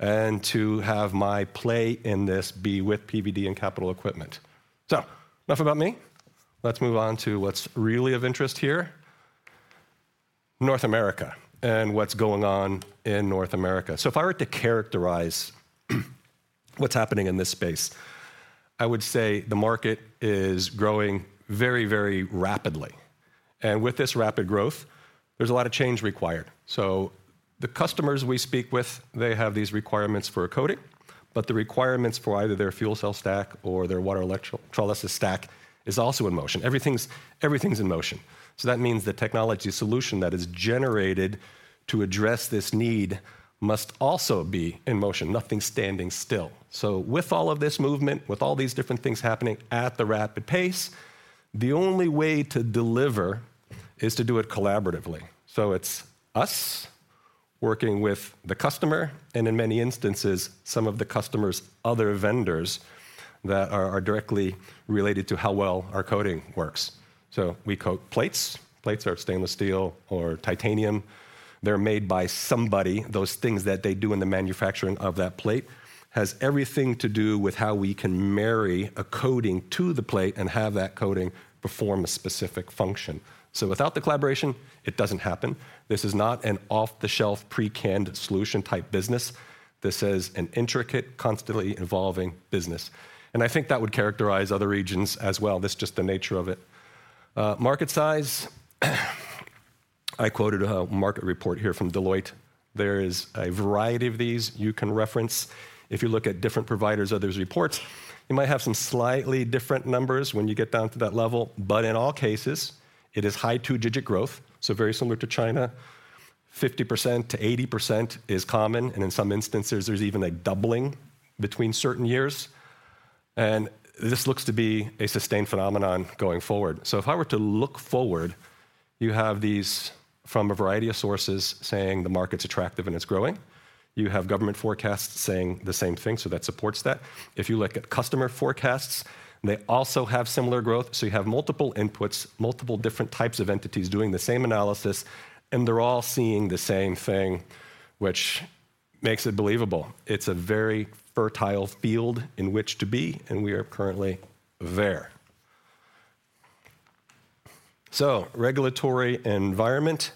and to have my play in this be with PVD and capital equipment. So enough about me. Let's move on to what's really of interest here, North America, and what's going on in North America. So if I were to characterize what's happening in this space, I would say the market is growing very, very rapidly, and with this rapid growth, there's a lot of change required. So the customers we speak with, they have these requirements for a coating, but the requirements for either their fuel cell stack or their water electrolysis stack is also in motion. Everything's, everything's in motion. So that means the technology solution that is generated to address this need must also be in motion, nothing standing still. So with all of this movement, with all these different things happening at the rapid pace, the only way to deliver is to do it collaboratively. So it's us working with the customer and in many instances, some of the customer's other vendors that are, are directly related to how well our coating works. So we coat plates. Plates are stainless steel or titanium. They're made by somebody. Those things that they do in the manufacturing of that plate has everything to do with how we can marry a coating to the plate and have that coating perform a specific function. So without the collaboration, it doesn't happen. This is not an off-the-shelf, pre-canned solution type business. This is an intricate, constantly evolving business, and I think that would characterize other regions as well. That's just the nature of it. Market size, I quoted a market report here from Deloitte. There is a variety of these you can reference. If you look at different providers of these reports, you might have some slightly different numbers when you get down to that level, but in all cases, it is high two-digit growth, so very similar to China. 50%-80% is common, and in some instances, there's even a doubling between certain years, and this looks to be a sustained phenomenon going forward. So if I were to look forward, you have these from a variety of sources saying the market's attractive and it's growing. You have government forecasts saying the same thing, so that supports that. If you look at customer forecasts, they also have similar growth. So you have multiple inputs, multiple different types of entities doing the same analysis, and they're all seeing the same thing, which makes it believable. It's a very fertile field in which to be, and we are currently there. So regulatory environment.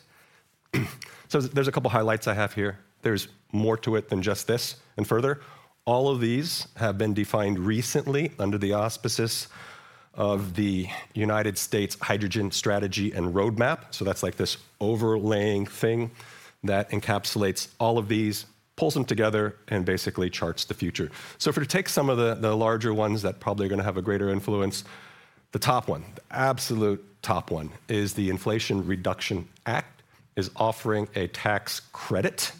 So there's a couple highlights I have here. There's more to it than just this and further. All of these have been defined recently under the auspices of the United States Hydrogen Strategy and Roadmap. So that's like this overlaying thing that encapsulates all of these, pulls them together, and basically charts the future. So if we take some of the larger ones that probably are gonna have a greater influence, the top one, the absolute top one, is the Inflation Reduction Act, is offering a tax credit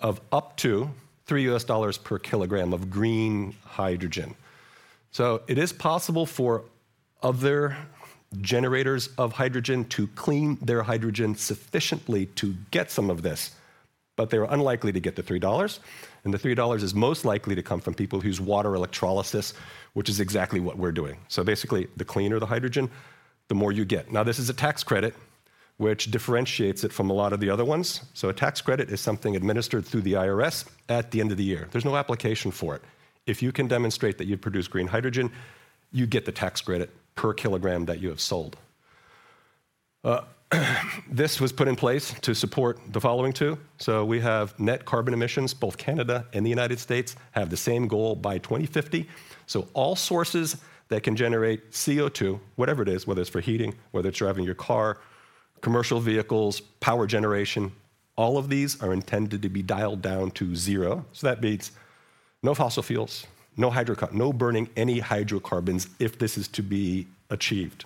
of up to $3 per kilogram of green hydrogen. So it is possible for other generators of hydrogen to clean their hydrogen sufficiently to get some of this... but they are unlikely to get the $3, and the $3 is most likely to come from people whose water electrolysis, which is exactly what we're doing. So basically, the cleaner the hydrogen, the more you get. Now, this is a tax credit, which differentiates it from a lot of the other ones. So a tax credit is something administered through the IRS at the end of the year. There's no application for it. If you can demonstrate that you produce green hydrogen, you get the tax credit per kilogram that you have sold. This was put in place to support the following two. So we have net carbon emissions. Both Canada and the United States have the same goal by 2050. So all sources that can generate CO2, whatever it is, whether it's for heating, whether it's driving your car, commercial vehicles, power generation, all of these are intended to be dialed down to zero. So that means no fossil fuels, no burning any hydrocarbons if this is to be achieved.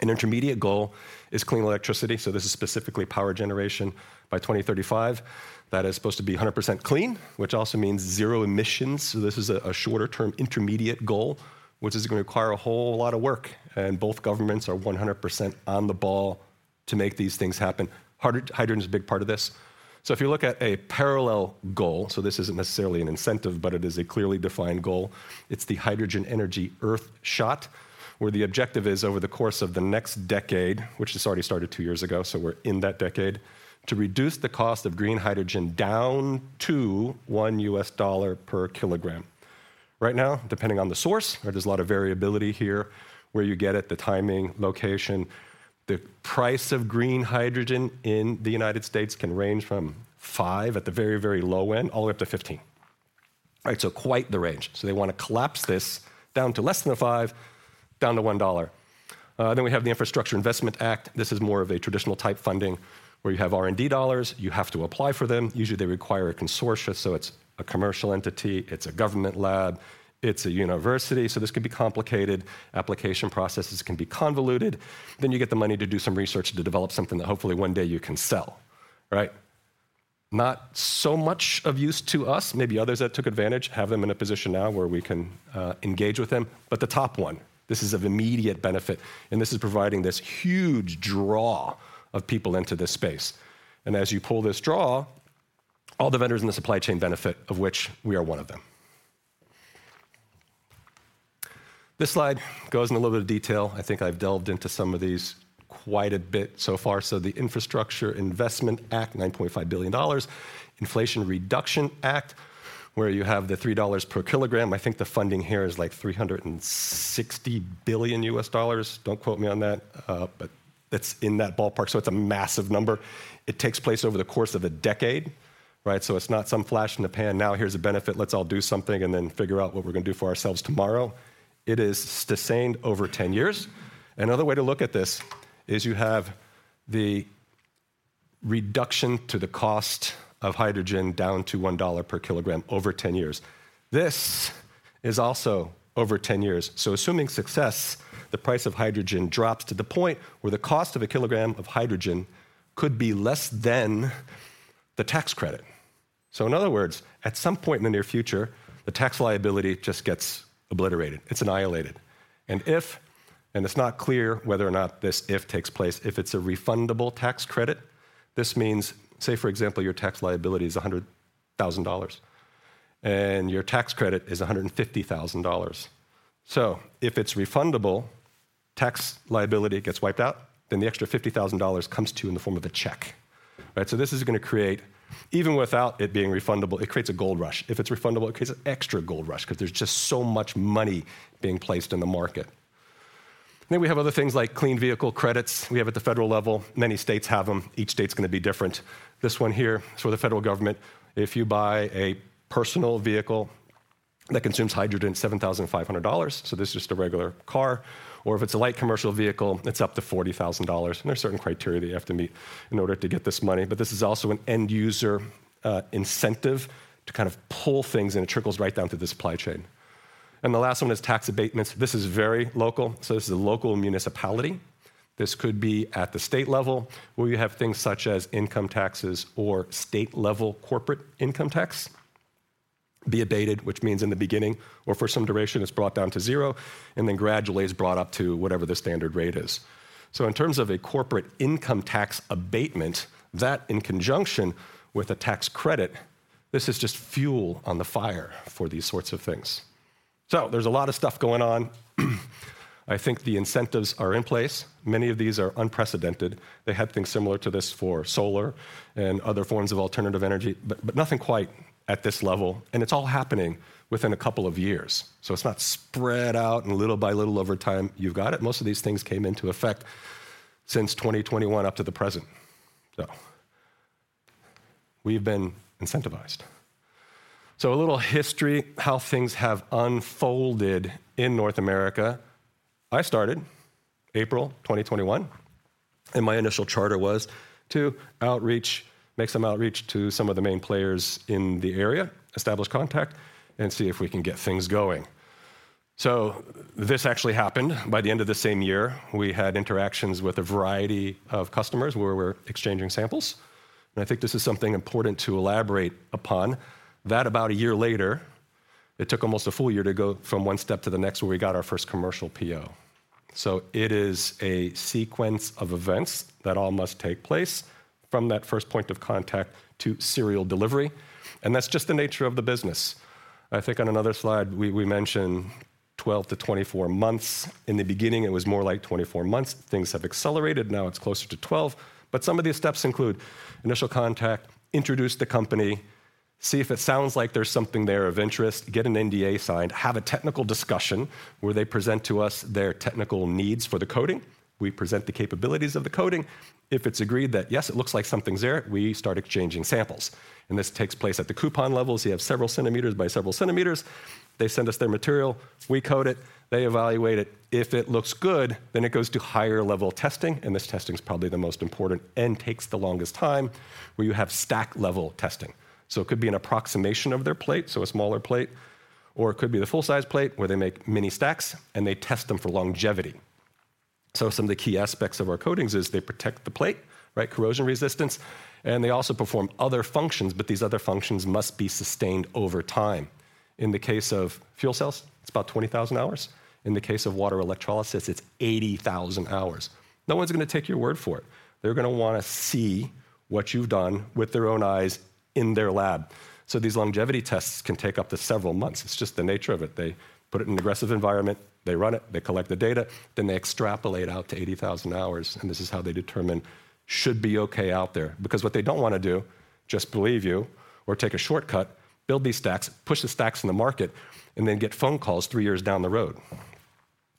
An intermediate goal is clean electricity, so this is specifically power generation. By 2035, that is supposed to be 100% clean, which also means zero emissions. So this is a shorter-term intermediate goal, which is going to require a whole lot of work, and both governments are 100% on the ball to make these things happen. Hydrogen is a big part of this. So if you look at a parallel goal, so this isn't necessarily an incentive, but it is a clearly defined goal, it's the Hydrogen Energy Earthshot, where the objective is over the course of the next decade, which this already started two years ago, so we're in that decade, to reduce the cost of green hydrogen down to $1 per kilogram. Right now, depending on the source, there's a lot of variability here, where you get it, the timing, location, the price of green hydrogen in the United States can range from $5 at the very, very low end, all the way up to $15. All right, so quite the range. So they want to collapse this down to less than $5, down to $1. Then we have the Infrastructure Investment Act. This is more of a traditional type funding, where you have R&D dollars. You have to apply for them. Usually, they require a consortium, so it's a commercial entity, it's a government lab, it's a university, so this could be complicated. Application processes can be convoluted. Then you get the money to do some research to develop something that hopefully one day you can sell, right? Not so much of use to us. Maybe others that took advantage, have them in a position now where we can engage with them, but the top one, this is of immediate benefit, and this is providing this huge draw of people into this space. And as you pull this draw, all the vendors in the supply chain benefit, of which we are one of them. This slide goes in a little bit of detail. I think I've delved into some of these quite a bit so far. So the Infrastructure Investment Act, $9.5 billion. Inflation Reduction Act, where you have the $3 per kilogram. I think the funding here is, like, $360 billion. Don't quote me on that, but it's in that ballpark, so it's a massive number. It takes place over the course of a decade, right? So it's not some flash in the pan. "Now, here's a benefit. Let's all do something and then figure out what we're going to do for ourselves tomorrow." It is sustained over 10 years. Another way to look at this is you have the reduction to the cost of hydrogen down to $1 per kilogram over 10 years. This is also over 10 years. So assuming success, the price of hydrogen drops to the point where the cost of a kilogram of hydrogen could be less than the tax credit. So in other words, at some point in the near future, the tax liability just gets obliterated. It's annihilated. And if, and it's not clear whether or not this "if" takes place, if it's a refundable tax credit, this means, say, for example, your tax liability is $100,000, and your tax credit is $150,000. So if it's refundable, tax liability gets wiped out, then the extra $50,000 comes to you in the form of a check, right? So this is going to create... Even without it being refundable, it creates a gold rush. If it's refundable, it creates an extra gold rush because there's just so much money being placed in the market. Then we have other things like clean vehicle credits. We have at the federal level, many states have them. Each state's going to be different. This one here, so the federal government, if you buy a personal vehicle that consumes hydrogen, $7,500, so this is just a regular car, or if it's a light commercial vehicle, it's up to $40,000, and there are certain criteria that you have to meet in order to get this money. But this is also an end-user incentive to kind of pull things, and it trickles right down to the supply chain. And the last one is tax abatements. This is very local, so this is a local municipality. This could be at the state level, where you have things such as income taxes or state-level corporate income tax be abated, which means in the beginning or for some duration, it's brought down to zero and then gradually is brought up to whatever the standard rate is. In terms of a corporate income tax abatement, that in conjunction with a tax credit, this is just fuel on the fire for these sorts of things. There's a lot of stuff going on. I think the incentives are in place. Many of these are unprecedented. They had things similar to this for solar and other forms of alternative energy, but, but nothing quite at this level, and it's all happening within a couple of years. It's not spread out and little by little over time, you've got it. Most of these things came into effect since 2021 up to the present. We've been incentivized. A little history, how things have unfolded in North America. I started April 2021, and my initial charter was to outreach, make some outreach to some of the main players in the area, establish contact, and see if we can get things going. So this actually happened. By the end of the same year, we had interactions with a variety of customers where we're exchanging samples, and I think this is something important to elaborate upon. That, about a year later... It took almost a full year to go from one step to the next, where we got our first commercial PO. So it is a sequence of events that all must take place from that first point of contact to serial delivery, and that's just the nature of the business. I think on another slide, we mentioned 12-24 months. In the beginning, it was more like 24 months. Things have accelerated. Now it's closer to 12. Some of these steps include initial contact, introduce the company, see if it sounds like there's something there of interest, get an NDA signed, have a technical discussion where they present to us their technical needs for the coating. We present the capabilities of the coating. If it's agreed that, yes, it looks like something's there, we start exchanging samples, and this takes place at the coupon levels. You have several centimeters by several centimeters. They send us their material, we coat it, they evaluate it. If it looks good, then it goes to higher level testing, and this testing is probably the most important and takes the longest time, where you have stack-level testing. So it could be an approximation of their plate, so a smaller plate, or it could be the full-size plate, where they make mini stacks and they test them for longevity. So some of the key aspects of our coatings is they protect the plate, right? Corrosion resistance, and they also perform other functions, but these other functions must be sustained over time. In the case of fuel cells, it's about 20,000 hours. In the case of water electrolysis, it's 80,000 hours. No one's going to take your word for it. They're going to want to see what you've done with their own eyes in their lab. So these longevity tests can take up to several months. It's just the nature of it. They put it in an aggressive environment, they run it, they collect the data, then they extrapolate out to 80,000 hours, and this is how they determine, "Should be okay out there." Because what they don't want to do, just believe you or take a shortcut, build these stacks, push the stacks in the market, and then get phone calls three years down the road,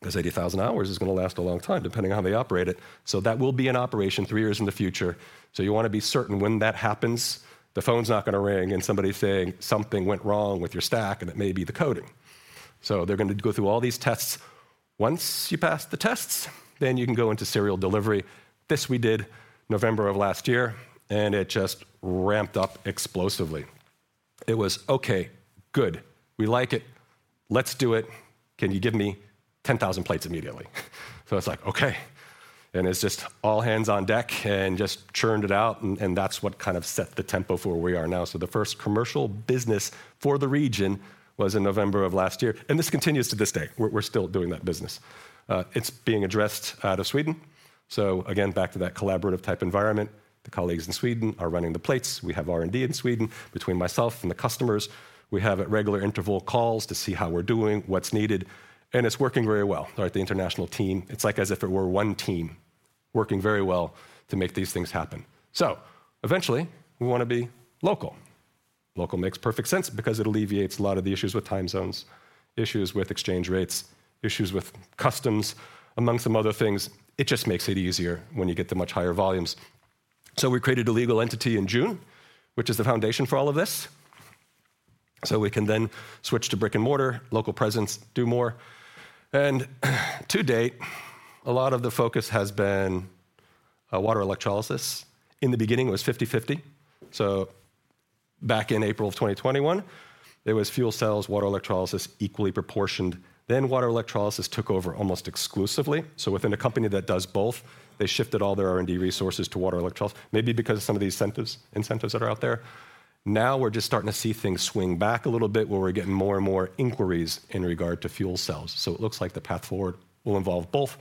'cause 80,000 hours is going to last a long time, depending on how they operate it. So that will be in operation three years in the future. So you want to be certain when that happens, the phone's not going to ring and somebody saying, "Something went wrong with your stack," and it may be the coating. So they're going to go through all these tests. Once you pass the tests, then you can go into serial delivery. This we did November of last year, and it just ramped up explosively. It was, "Okay, good, we like it. Let's do it. Can you give me 10,000 plates immediately?" So it's like, "Okay," and it's just all hands on deck and just churned it out, and that's what kind of set the tempo for where we are now. So the first commercial business for the region was in November of last year, and this continues to this day. We're still doing that business. It's being addressed out of Sweden. So again, back to that collaborative type environment. The colleagues in Sweden are running the plates. We have R&D in Sweden. Between myself and the customers, we have at regular interval calls to see how we're doing, what's needed, and it's working very well, right? The international team, it's like as if it were one team working very well to make these things happen. So eventually, we want to be local. Local makes perfect sense because it alleviates a lot of the issues with time zones, issues with exchange rates, issues with customs, among some other things. It just makes it easier when you get the much higher volumes. So we created a legal entity in June, which is the foundation for all of this. So we can then switch to brick-and-mortar, local presence, do more. And to date, a lot of the focus has been water electrolysis. In the beginning, it was 50/50. So back in April of 2021, it was fuel cells, water electrolysis, equally proportioned. Then water electrolysis took over almost exclusively. So within a company that does both, they shifted all their R&D resources to water electrolysis, maybe because of some of the incentives, incentives that are out there. Now, we're just starting to see things swing back a little bit, where we're getting more and more inquiries in regard to fuel cells. So it looks like the path forward will involve both.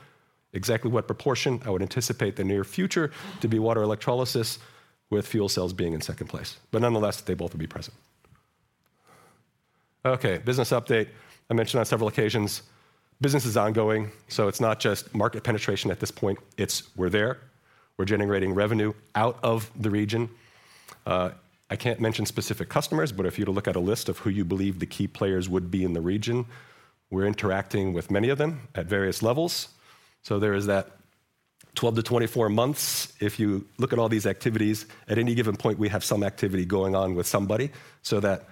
Exactly what proportion, I would anticipate the near future to be water electrolysis, with fuel cells being in second place, but nonetheless, they both will be present. Okay, business update. I mentioned on several occasions, business is ongoing, so it's not just market penetration at this point. It's we're there. We're generating revenue out of the region. I can't mention specific customers, but if you were to look at a list of who you believe the key players would be in the region, we're interacting with many of them at various levels. So there is that 12-24 months. If you look at all these activities, at any given point, we have some activity going on with somebody, so that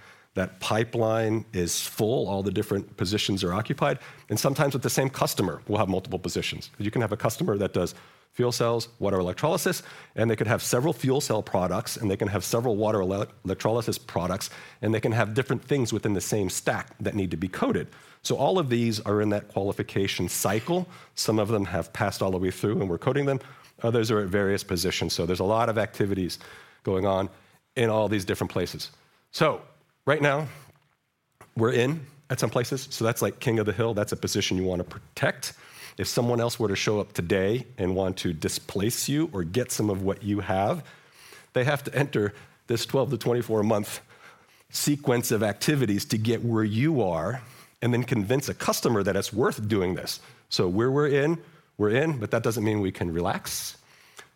pipeline is full, all the different positions are occupied, and sometimes with the same customer, we'll have multiple positions. 'Cause you can have a customer that does fuel cells, water electrolysis, and they could have several fuel cell products, and they can have several water electrolysis products, and they can have different things within the same stack that need to be coated. So all of these are in that qualification cycle. Some of them have passed all the way through, and we're coating them. Others are at various positions, so there's a lot of activities going on in all these different places. So right now, we're in at some places, so that's like king of the hill. That's a position you want to protect. If someone else were to show up today and want to displace you or get some of what you have, they have to enter this 12- to 24-month sequence of activities to get where you are and then convince a customer that it's worth doing this. So where we're in, we're in, but that doesn't mean we can relax.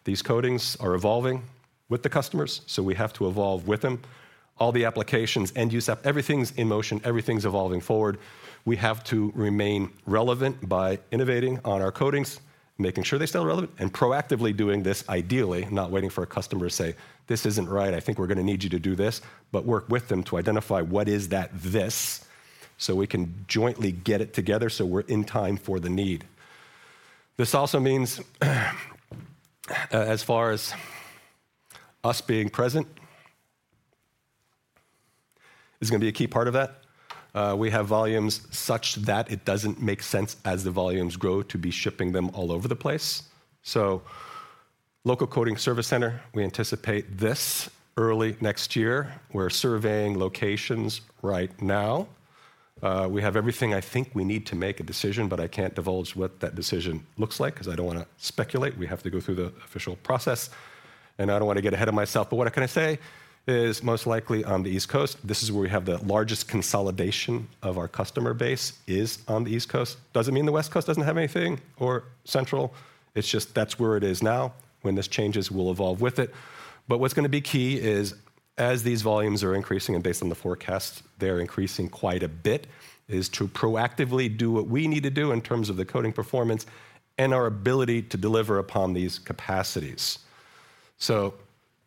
These coatings are evolving with the customers, so we have to evolve with them. All the applications and use up, everything's in motion, everything's evolving forward. We have to remain relevant by innovating on our coatings, making sure they're still relevant, and proactively doing this ideally, not waiting for a customer to say, "This isn't right. I think we're going to need you to do this," but work with them to identify what is that "this," so we can jointly get it together, so we're in time for the need. This also means, as far as us being present, is going to be a key part of that. We have volumes such that it doesn't make sense as the volumes grow, to be shipping them all over the place. So, local coating service center, we anticipate this early next year. We're surveying locations right now. We have everything I think we need to make a decision, but I can't divulge what that decision looks like 'cause I don't wanna speculate. We have to go through the official process, and I don't want to get ahead of myself. But what I can say is most likely on the East Coast, this is where we have the largest consolidation of our customer base is on the East Coast. Doesn't mean the West Coast doesn't have anything or central, it's just that's where it is now. When this changes, we'll evolve with it. But what's gonna be key is, as these volumes are increasing, and based on the forecast, they are increasing quite a bit, is to proactively do what we need to do in terms of the coating performance and our ability to deliver upon these capacities. So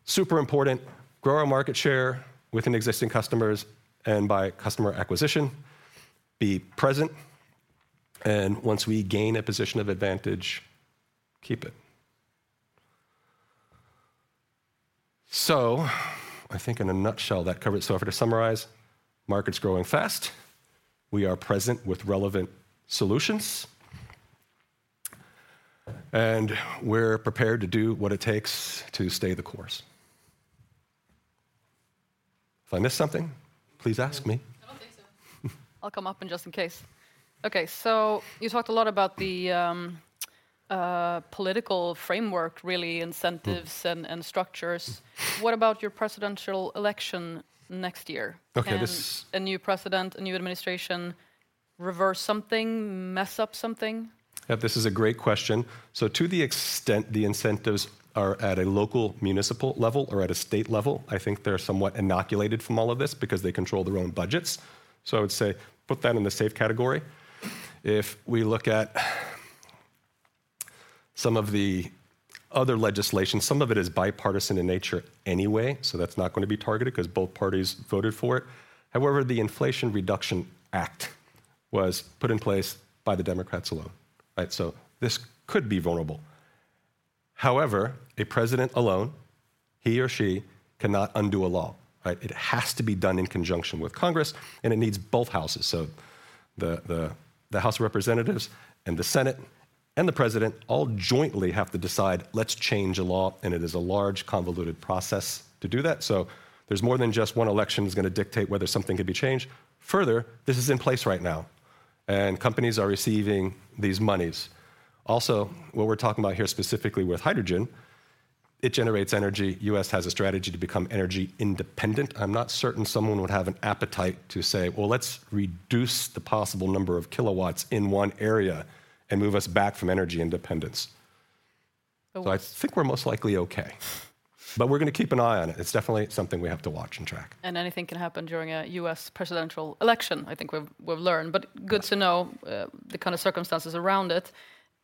super important, grow our market share within existing customers and by customer acquisition, be present, and once we gain a position of advantage, keep it. So I think in a nutshell, that covers it. To summarize, market's growing fast. We are present with relevant solutions, and we're prepared to do what it takes to stay the course. If I missed something, please ask me. I don't think so. I'll come up in just in case. Okay, so you talked a lot about the political framework, really incentives- Mm... and structures. What about your presidential election next year? Okay, this- Can a new president, a new administration, reverse something, mess up something? Yeah, this is a great question. So to the extent the incentives are at a local municipal level or at a state level, I think they're somewhat inoculated from all of this because they control their own budgets. So I would say put that in the safe category. If we look at some of the other legislation, some of it is bipartisan in nature anyway, so that's not gonna be targeted 'cause both parties voted for it. However, the Inflation Reduction Act was put in place by the Democrats alone, right? So this could be vulnerable. However, a president alone, he or she cannot undo a law, right? It has to be done in conjunction with Congress, and it needs both houses. So the House of Representatives and the Senate and the President all jointly have to decide, "Let's change a law," and it is a large, convoluted process to do that. So there's more than just one election is gonna dictate whether something could be changed. Further, this is in place right now, and companies are receiving these monies. Also, what we're talking about here, specifically with hydrogen, it generates energy. U.S. has a strategy to become energy independent. I'm not certain someone would have an appetite to say, "Well, let's reduce the possible number of kilowatts in one area and move us back from energy independence. So- I think we're most likely okay, but we're gonna keep an eye on it. It's definitely something we have to watch and track. Anything can happen during a U.S. presidential election, I think we've learned. Correct. Good to know, the kind of circumstances around it.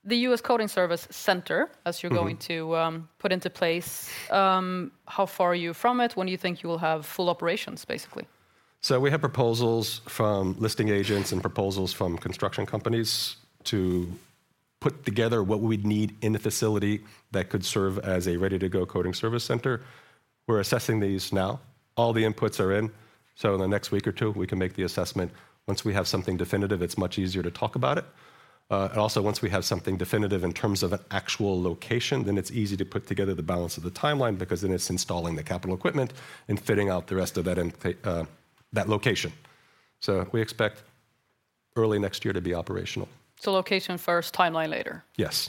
The U.S. Coating Service Center, as- Mm-hmm... you're going to put into place, how far are you from it? When do you think you will have full operations, basically? So we have proposals from listing agents and proposals from construction companies to put together what we'd need in a facility that could serve as a ready-to-go coating service center. We're assessing these now. All the inputs are in, so in the next week or two, we can make the assessment. Once we have something definitive, it's much easier to talk about it. And also once we have something definitive in terms of an actual location, then it's easy to put together the balance of the timeline because then it's installing the capital equipment and fitting out the rest of that in that location. So we expect early next year to be operational. Location first, timeline later? Yes.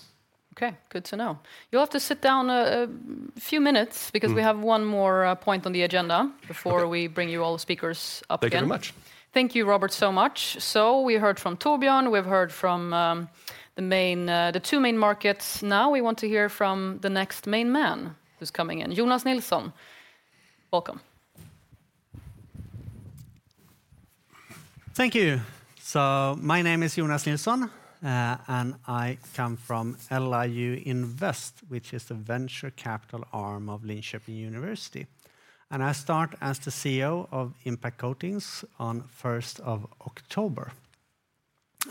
Okay, good to know. You'll have to sit down a few minutes- Mm... because we have one more point on the agenda- Okay... before we bring you all the speakers up again. Thank you very much. Thank you, Robert, so much. So we heard from Torbjörn, we've heard from the main, the two main markets. Now, we want to hear from the next main man who's coming in. Jonas Nilsson, welcome. Thank you. So my name is Jonas Nilsson, and I come from LiU Invest, which is the venture capital arm of Linköping University. And I start as the CEO of Impact Coatings on 1st of October.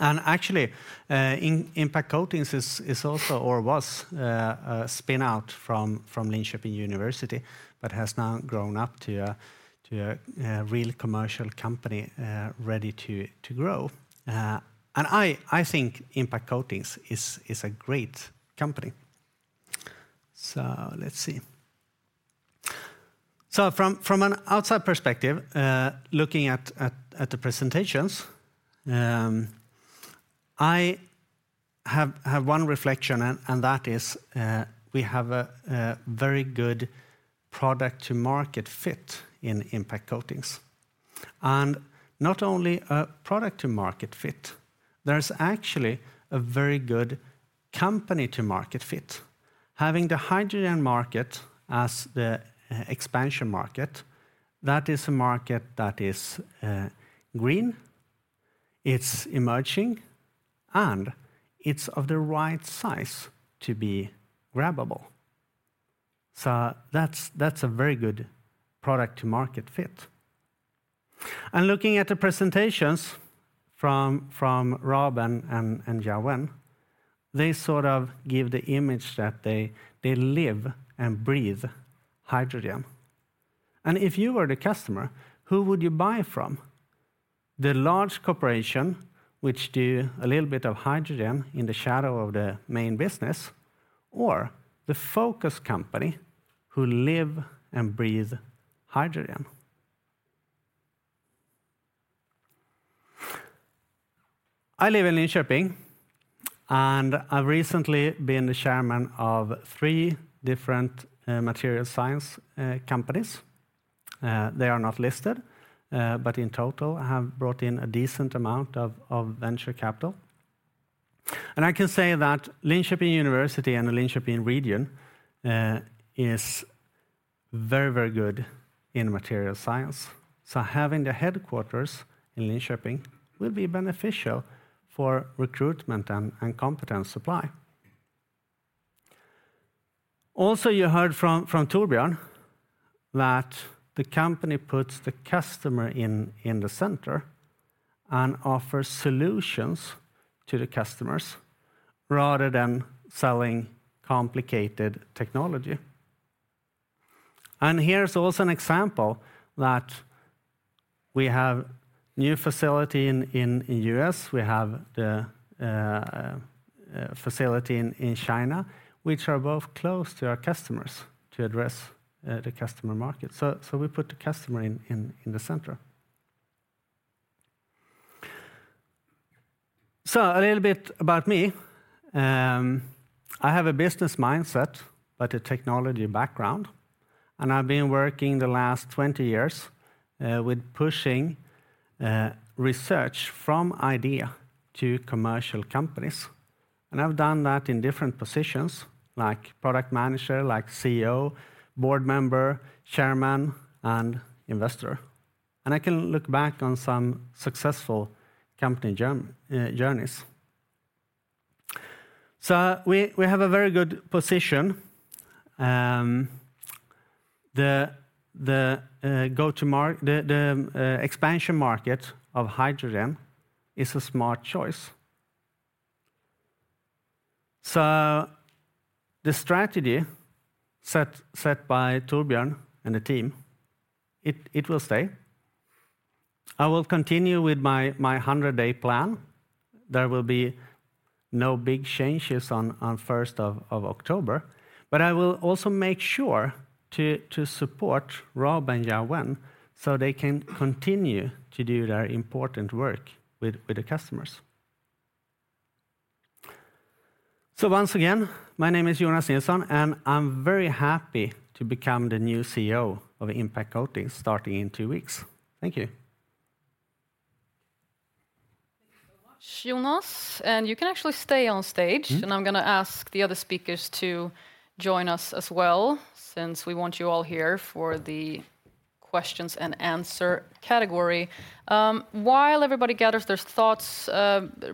And actually, Impact Coatings is also or was a spin-out from Linköping University, but has now grown up to a real commercial company ready to grow. And I think Impact Coatings is a great company. So let's see. So from an outside perspective, looking at the presentations, I have one reflection, and that is, we have a very good product-to-market fit in Impact Coatings. And not only a product-to-market fit, there is actually a very good company-to-market fit. Having the hydrogen market as the expansion market, that is a market that is green, it's emerging, and it's of the right size to be grabbable. So that's, that's a very good product-to-market fit. And looking at the presentations from Rob and Yaowen, they sort of give the image that they live and breathe hydrogen. And if you were the customer, who would you buy from? The large corporation, which do a little bit of hydrogen in the shadow of the main business, or the focus company who live and breathe hydrogen? I live in Linköping, and I've recently been the chairman of three different material science companies. They are not listed, but in total have brought in a decent amount of venture capital. I can say that Linköping University and the Linköping region is very, very good in material science. So having the headquarters in Linköping will be beneficial for recruitment and competence supply. Also, you heard from Torbjörn that the company puts the customer in the center and offers solutions to the customers rather than selling complicated technology. And here is also an example that we have new facility in the U.S., we have the facility in China, which are both close to our customers to address the customer market. So we put the customer in the center. So a little bit about me. I have a business mindset, but a technology background, and I've been working the last 20 years with pushing research from idea to commercial companies. I've done that in different positions, like product manager, like CEO, board member, Chairman, and investor. I can look back on some successful company journeys. We have a very good position. The expansion market of hydrogen is a smart choice. The strategy set by Torbjörn and the team will stay. I will continue with my 100-day plan. There will be no big changes on the first of October, but I will also make sure to support Rob and Yaowen, so they can continue to do their important work with the customers. Once again, my name is Jonas Nilsson, and I'm very happy to become the new CEO of Impact Coatings, starting in two weeks. Thank you. Thank you so much, Jonas. You can actually stay on stage. Mm-hmm. I'm going to ask the other speakers to join us as well, since we want you all here for the questions and answer category. While everybody gathers their thoughts,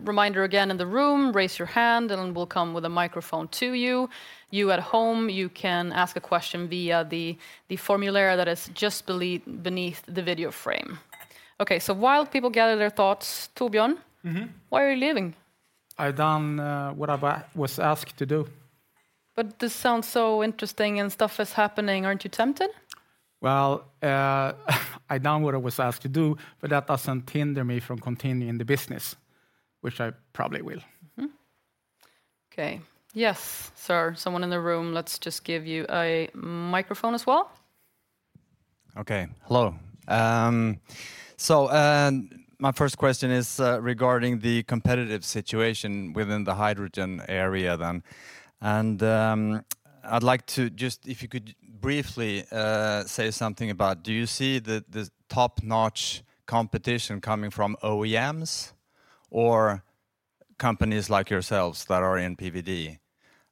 reminder again, in the room, raise your hand, and we'll come with a microphone to you. You at home, you can ask a question via the form that is just below the video frame. Okay, so while people gather their thoughts, Torbjörn- Mm-hmm. Why are you leaving? I've done what I was asked to do. But this sounds so interesting and stuff is happening. Aren't you tempted? Well, I've done what I was asked to do, but that doesn't hinder me from continuing the business, which I probably will. Mm-hmm. Okay. Yes, sir. Someone in the room, let's just give you a microphone as well. Okay. Hello. So my first question is, regarding the competitive situation within the hydrogen area then. I'd like to just—if you could briefly, say something about, do you see the, the top-notch competition coming from OEMs or companies like yourselves that are in PVD?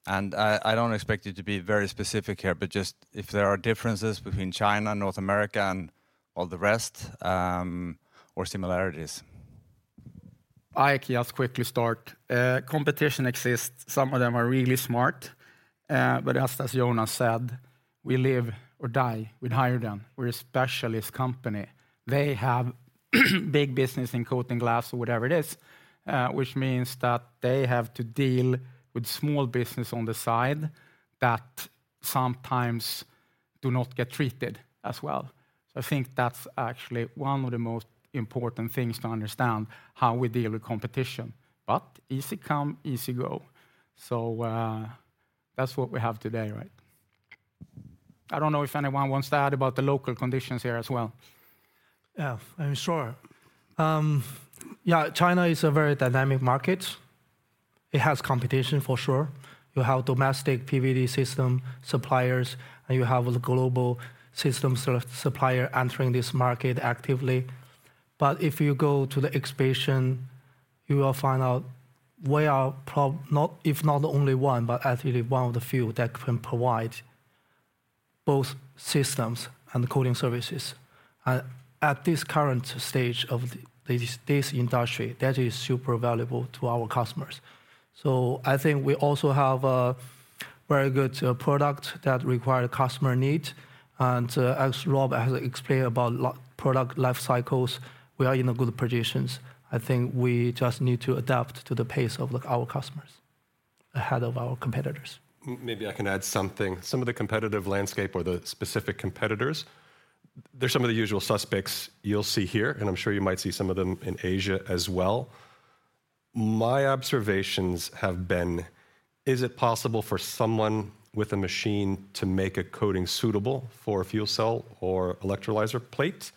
I, I don't expect you to be very specific here, but just if there are differences between China, North America, and all the rest, or similarities. I can just quickly start. Competition exists. Some of them are really smart, but as, as Jonas said, we live or die with hydrogen. We're a specialist company. They have big business in coating glass or whatever it is, which means that they have to deal with small business on the side that sometimes do not get treated as well. So I think that's actually one of the most important things to understand how we deal with competition. Easy come, easy go. So, that's what we have today, right? I don't know if anyone wants to add about the local conditions here as well. Yeah. Sure. Yeah, China is a very dynamic market. It has competition, for sure. You have domestic PVD system suppliers, and you have the global system supplier entering this market actively. But if you go to the expansion, you will find out we are probably not—if not the only one, but actually one of the few that can provide both systems and the coating services. And at this current stage of this industry, that is super valuable to our customers. So I think we also have a very good product that require customer need. And as Rob has explained about product life cycles, we are in a good positions. I think we just need to adapt to the pace of, like, our customers ahead of our competitors. Maybe I can add something. Some of the competitive landscape or the specific competitors, they're some of the usual suspects you'll see here, and I'm sure you might see some of them in Asia as well. My observations have been: Is it possible for someone with a machine to make a coating suitable for a fuel cell or electrolyzer plate?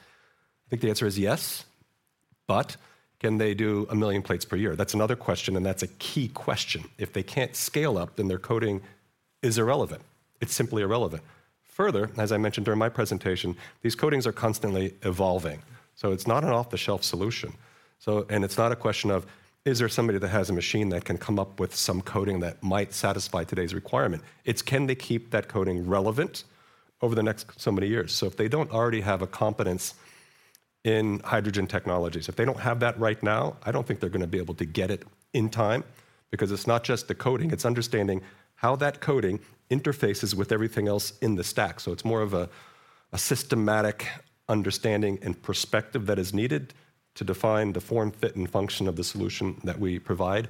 I think the answer is yes, but can they do one million plates per year? That's another question, and that's a key question. If they can't scale up, then their coating is irrelevant. It's simply irrelevant. Further, as I mentioned during my presentation, these coatings are constantly evolving, so it's not an off-the-shelf solution. So, and it's not a question of, is there somebody that has a machine that can come up with some coating that might satisfy today's requirement? It's, can they keep that coating relevant over the next so many years? So if they don't already have a competence in hydrogen technologies, if they don't have that right now, I don't think they're gonna be able to get it in time, because it's not just the coating, it's understanding how that coating interfaces with everything else in the stack. So it's more of a systematic understanding and perspective that is needed to define the form, fit, and function of the solution that we provide,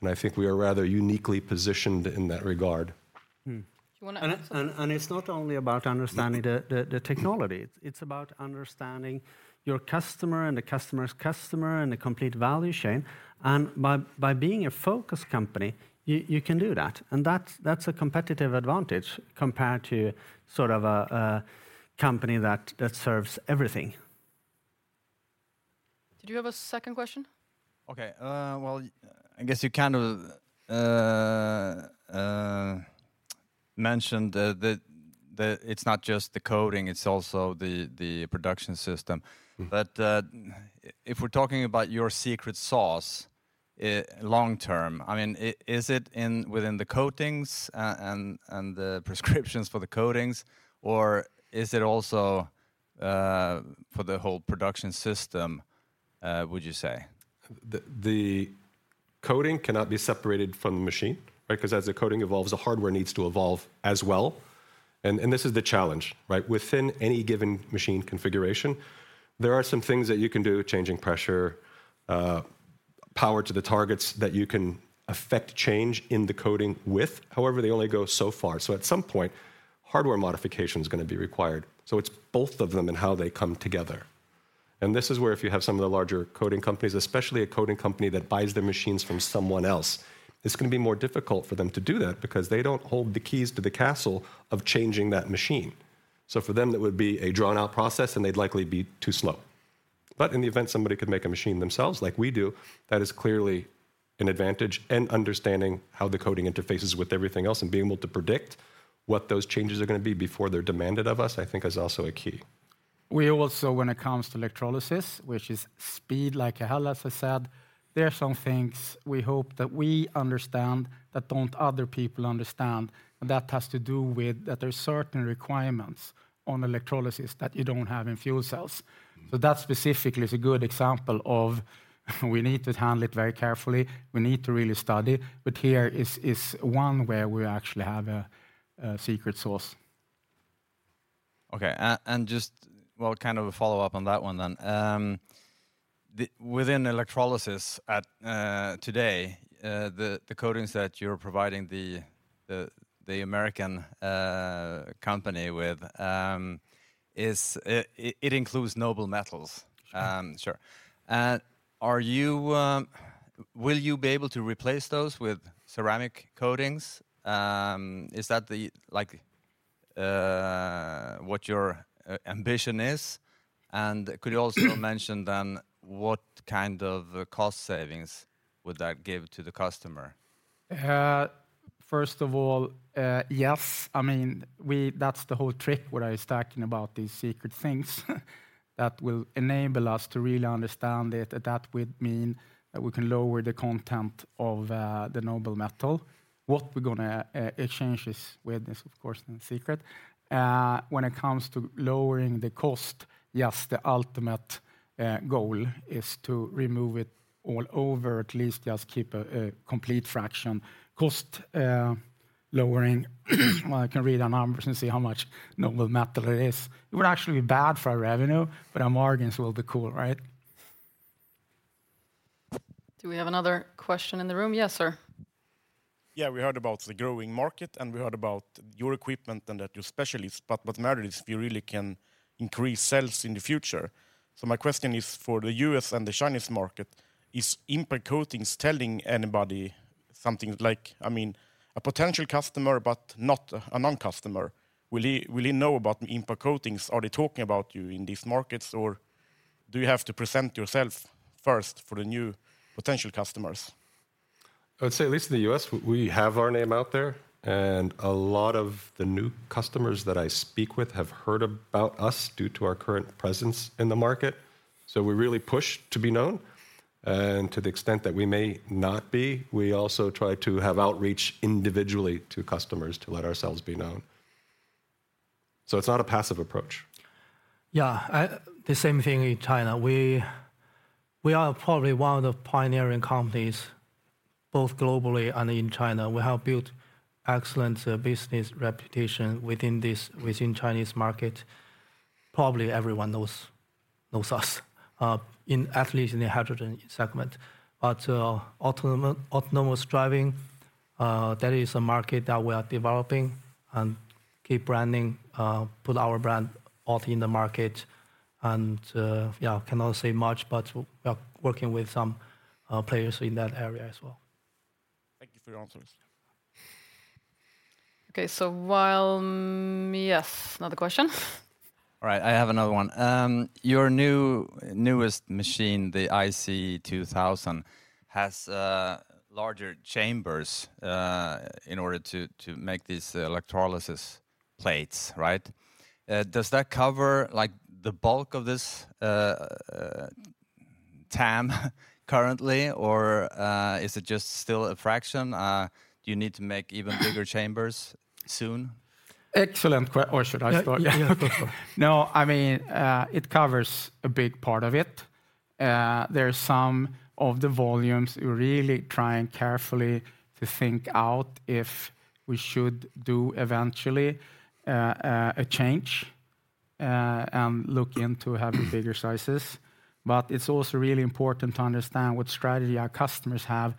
and I think we are rather uniquely positioned in that regard. Hmm. Do you wanna- It's not only about understanding the technology, it's about understanding your customer and the customer's customer and the complete value chain. And by being a focused company, you can do that. And that's a competitive advantage compared to sort of a company that serves everything. Did you have a second question? Okay, well, I guess you kind of mentioned the... it's not just the coating, it's also the production system. Mm-hmm. But, if we're talking about your secret sauce, long-term, I mean, is it within the coatings and the prescriptions for the coatings, or is it also for the whole production system, would you say? The coating cannot be separated from the machine, right? Because as the coating evolves, the hardware needs to evolve as well. This is the challenge, right? Within any given machine configuration, there are some things that you can do: changing pressure, power to the targets, that you can affect change in the coating with. However, they only go so far. So at some point, hardware modification is gonna be required. So it's both of them and how they come together. And this is where if you have some of the larger coating companies, especially a coating company that buys their machines from someone else, it's gonna be more difficult for them to do that because they don't hold the keys to the castle of changing that machine. So for them, it would be a drawn-out process, and they'd likely be too slow. But in the event somebody could make a machine themselves, like we do, that is clearly an advantage, and understanding how the coating interfaces with everything else and being able to predict what those changes are gonna be before they're demanded of us, I think is also a key. We also, when it comes to electrolysis, which is speed like hell, as I said, there are some things we hope that we understand that don't other people understand, and that has to do with that there are certain requirements on electrolysis that you don't have in fuel cells. Mm. So that specifically is a good example of we need to handle it very carefully. We need to really study, but here is one where we actually have a secret sauce. Okay, and just, well, kind of a follow-up on that one then. The coatings that you're providing the American company with, is it includes noble metals? Sure. Sure. Are you... Will you be able to replace those with ceramic coatings? Is that the, like, what your ambition is? And could you also mention then what kind of cost savings would that give to the customer? First of all, yes. I mean, that's the whole trick, what I was talking about, these secret things that will enable us to really understand it, and that would mean that we can lower the content of the noble metal. What we're gonna exchange this with is, of course, in secret. When it comes to lowering the cost, yes, the ultimate goal is to remove it all over, at least just keep a complete fraction. Cost lowering, well, I can read the numbers and see how much noble metal it is. It would actually be bad for our revenue, but our margins will be cool, right? Do we have another question in the room? Yes, sir. Yeah, we heard about the growing market, and we heard about your equipment and that you're specialists, but what matters is if you really can increase sales in the future. So my question is: for the U.S. and the Chinese market, is Impact Coatings telling anybody something like... I mean, a potential customer, but not a non-customer, will he, will he know about Impact Coatings? Are they talking about you in these markets, or do you have to present yourself first for the new potential customers? I'd say at least in the U.S., we have our name out there, and a lot of the new customers that I speak with have heard about us due to our current presence in the market. So we really push to be known, and to the extent that we may not be, we also try to have outreach individually to customers to let ourselves be known. So it's not a passive approach. Yeah, the same thing in China. We are probably one of the pioneering companies, both globally and in China. We have built excellent business reputation within this within Chinese market. Probably everyone knows, no sauce, in at least in the hydrogen segment. But, autonomous driving, that is a market that we are developing and keep branding, put our brand out in the market. And, yeah, I cannot say much, but we are working with some players in that area as well. Thank you for your answers. Okay, so yes, another question? All right, I have another one. Your new, newest machine, the IC2000, has larger chambers in order to make these electrolysis plates, right? Does that cover, like, the bulk of this TAM currently, or is it just still a fraction? Do you need to make even bigger chambers soon? Or should I start? Yeah, yeah, go for it. No, I mean, it covers a big part of it. There are some of the volumes we're really trying carefully to think out if we should do eventually a change and look into having bigger sizes. But it's also really important to understand what strategy our customers have,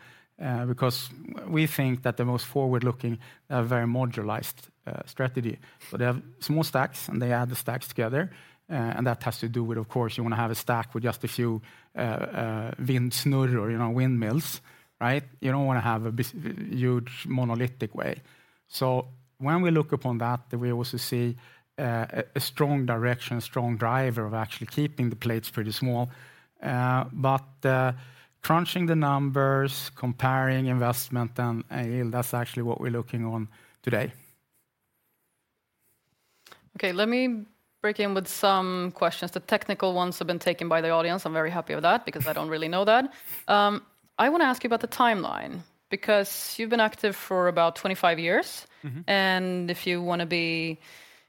because we think that the most forward-looking are very modularized strategy. So they have small stacks, and they add the stacks together, and that has to do with, of course, you want to have a stack with just a few wind snurre or, you know, windmills, right? You don't want to have a huge, monolithic way. So when we look upon that, we also see a strong direction, a strong driver of actually keeping the plates pretty small. Crunching the numbers, comparing investment and yield, that's actually what we're looking on today. Okay, let me break in with some questions. The technical ones have been taken by the audience. I'm very happy with that because I don't really know that. I want to ask you about the timeline, because you've been active for about 25 years. Mm-hmm. If you want to be,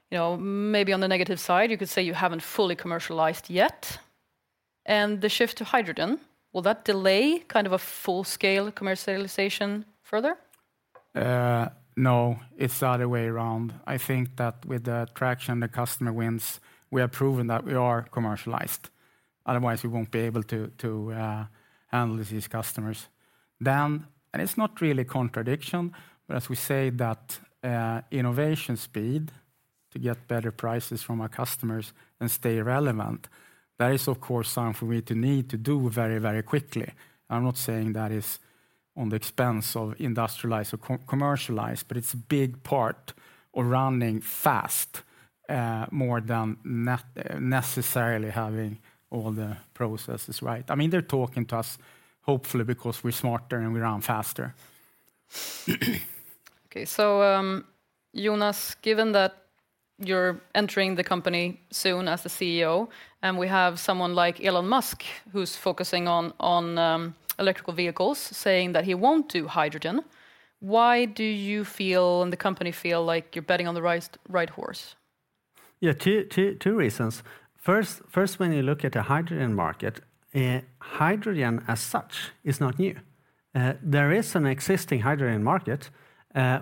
you know, maybe on the negative side, you could say you haven't fully commercialized yet. The shift to hydrogen, will that delay kind of a full-scale commercialization further? No, it's the other way around. I think that with the traction the customer wins, we have proven that we are commercialized. Otherwise, we won't be able to handle these customers. And it's not really a contradiction, but as we say that innovation speed to get better prices from our customers and stay relevant, that is, of course, something we need to do very, very quickly. I'm not saying that is on the expense of industrialized or co-commercialized, but it's a big part of running fast, more than necessarily having all the processes right. I mean, they're talking to us, hopefully because we're smarter and we run faster. Okay, so, Jonas, given that you're entering the company soon as the CEO, and we have someone like Elon Musk, who's focusing on electric vehicles, saying that he won't do hydrogen, why do you feel, and the company feel, like you're betting on the right horse? Yeah, two reasons. First, when you look at the hydrogen market, hydrogen as such is not new. There is an existing hydrogen market.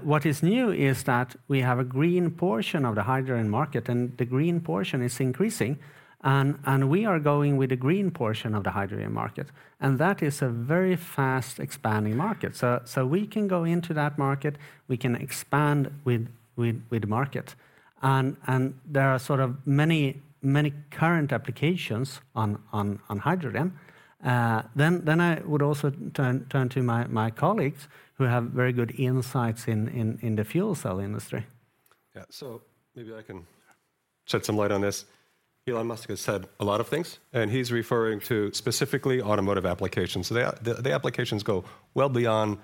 What is new is that we have a green portion of the hydrogen market, and the green portion is increasing, and we are going with the green portion of the hydrogen market, and that is a very fast-expanding market. So we can go into that market, we can expand with the market. And there are sort of many current applications on hydrogen. Then I would also turn to my colleagues, who have very good insights in the fuel cell industry. Yeah. So maybe I can shed some light on this. Elon Musk has said a lot of things, and he's referring to specifically automotive applications. So the applications go well beyond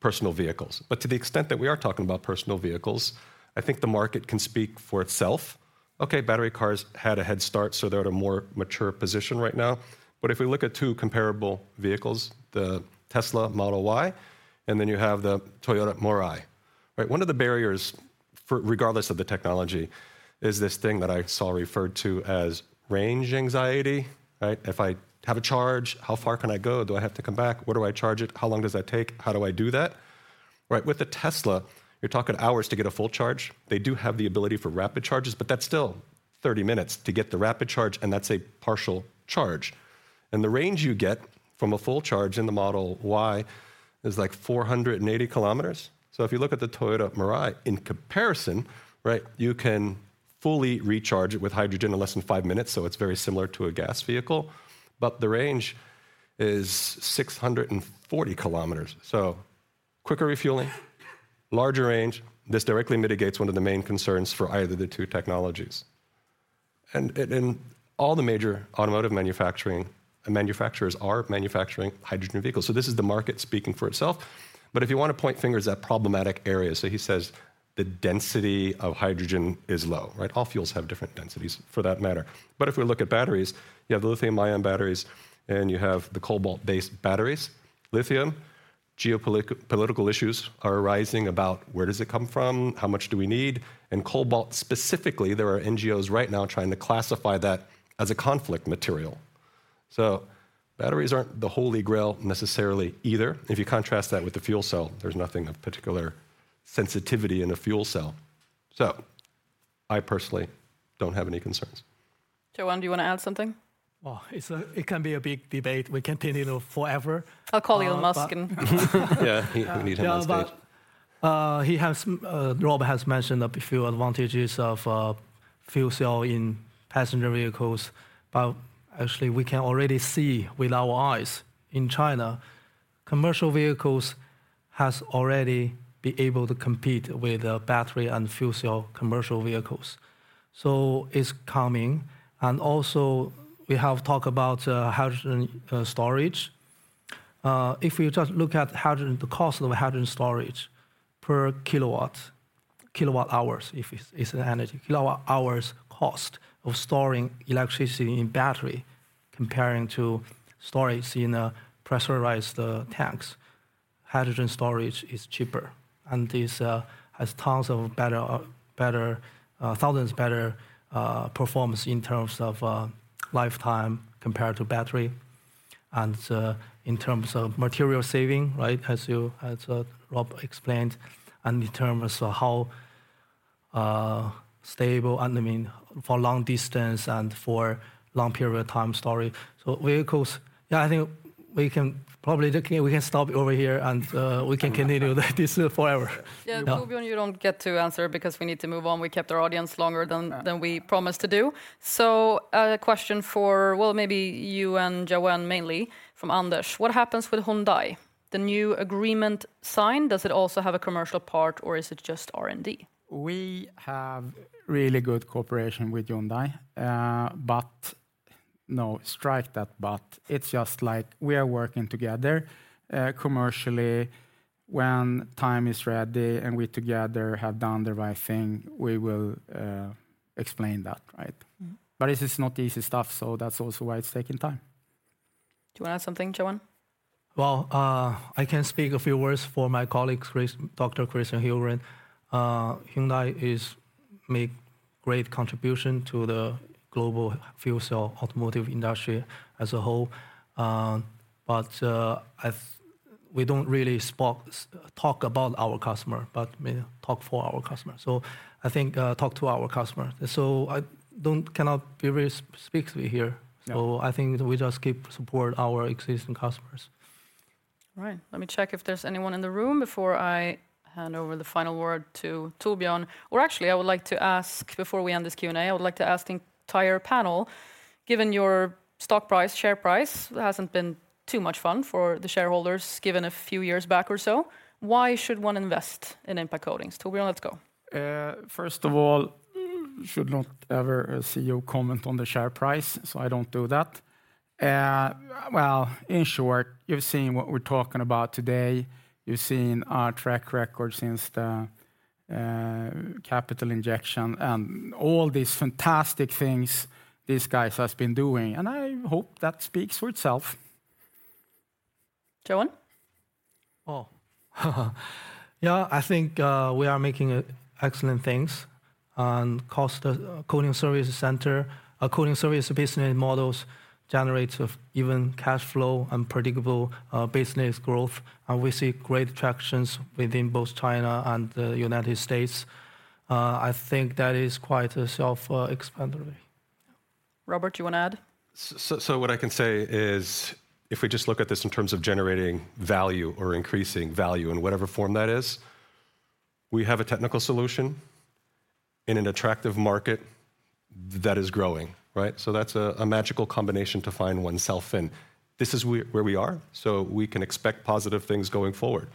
personal vehicles. But to the extent that we are talking about personal vehicles, I think the market can speak for itself. Okay, battery cars had a head start, so they're at a more mature position right now. But if we look at two comparable vehicles, the Tesla Model Y, and then you have the Toyota Mirai, right? One of the barriers regardless of the technology, is this thing that I saw referred to as range anxiety, right? If I have a charge, how far can I go? Do I have to come back? Where do I charge it? How long does that take? How do I do that? Right, with a Tesla, you're talking hours to get a full charge. They do have the ability for rapid charges, but that's still 30 minutes to get the rapid charge, and that's a partial charge. And the range you get from a full charge in the Model Y is, like, 480 km. So if you look at the Toyota Mirai, in comparison, right, you can fully recharge it with hydrogen in less than 5 minutes, so it's very similar to a gas vehicle, but the range is 640 km. So quicker refueling, larger range, this directly mitigates one of the main concerns for either of the two technologies. And all the major automotive manufacturers are manufacturing hydrogen vehicles, so this is the market speaking for itself. But if you want to point fingers at problematic areas, so he says, "The density of hydrogen is low," right? All fuels have different densities, for that matter. But if we look at batteries, you have the lithium-ion batteries, and you have the cobalt-based batteries. Lithium, geopolitical issues are arising about: Where does it come from? How much do we need? And cobalt, specifically, there are NGOs right now trying to classify that as a conflict material. So batteries aren't the holy grail necessarily either. If you contrast that with the fuel cell, there's nothing of particular sensitivity in a fuel cell. So I personally don't have any concerns. Yaowen, do you want to add something? Well, it can be a big debate. We continue forever. I'll call Elon Musk in. Yeah, we need Elon on stage. Yeah, but he has, Rob has mentioned a few advantages of fuel cell in passenger vehicles, but actually we can already see with our eyes in China, commercial vehicles has already been able to compete with battery and fuel cell commercial vehicles. So it's coming, and also we have talked about hydrogen storage. If you just look at hydrogen, the cost of hydrogen storage per kilowatt, kilowatt hours, if it's, it's an energy. Kilowatt hours cost of storing electricity in battery comparing to storage in pressurized tanks, hydrogen storage is cheaper, and this has tons of better, better, thousands better performance in terms of lifetime compared to battery, and in terms of material saving, right? As you—as Rob explained, and in terms of how stable, and I mean, for long distance and for long period of time storage. So vehicles— Yeah, I think we can probably, okay, we can stop over here, and we can continue this forever. Yeah, Torbjörn, you don't get to answer because we need to move on. We kept our audience longer than we promised to do. So, a question for, well, maybe you and Yaowen, mainly from Anders: "What happens with Hyundai? The new agreement signed, does it also have a commercial part, or is it just R&D? We have really good cooperation with Hyundai, but... No, strike that but. It's just like we are working together, commercially. When time is ready, and we together have done the right thing, we will explain that, right? Mm-hmm. This is not easy stuff, so that's also why it's taking time. Do you want to add something, Yaowen? Well, I can speak a few words for my colleague, Chris, Dr. Christian Juhlin. Hyundai is make great contribution to the global fuel cell automotive industry as a whole, but we don't really spoke, talk about our customer, but we talk for our customer. So I think, talk to our customer. So I don't cannot really speak to it here. No. I think we just keep supporting our existing customers. All right. Let me check if there's anyone in the room before I hand over the final word to Torbjörn. Or actually, I would like to ask, before we end this Q&A, I would like to ask the entire panel, given your stock price, share price, it hasn't been too much fun for the shareholders, given a few years back or so. Why should one invest in Impact Coatings? Torbjörn, let's go. First of all, should not ever a CEO comment on the share price, so I don't do that. Well, in short, you've seen what we're talking about today. You've seen our track record since the capital injection and all these fantastic things these guys have been doing, and I hope that speaks for itself. Yaowen? Oh, yeah, I think we are making excellent things, and cost coating service center coating service business models generates of even cash flow and predictable business growth, and we see great traction within both China and the United States. I think that is quite self-explanatory. Robert, you want to add? So what I can say is, if we just look at this in terms of generating value or increasing value in whatever form that is, we have a technical solution in an attractive market that is growing, right? So that's a magical combination to find oneself in. This is where we are, so we can expect positive things going forward.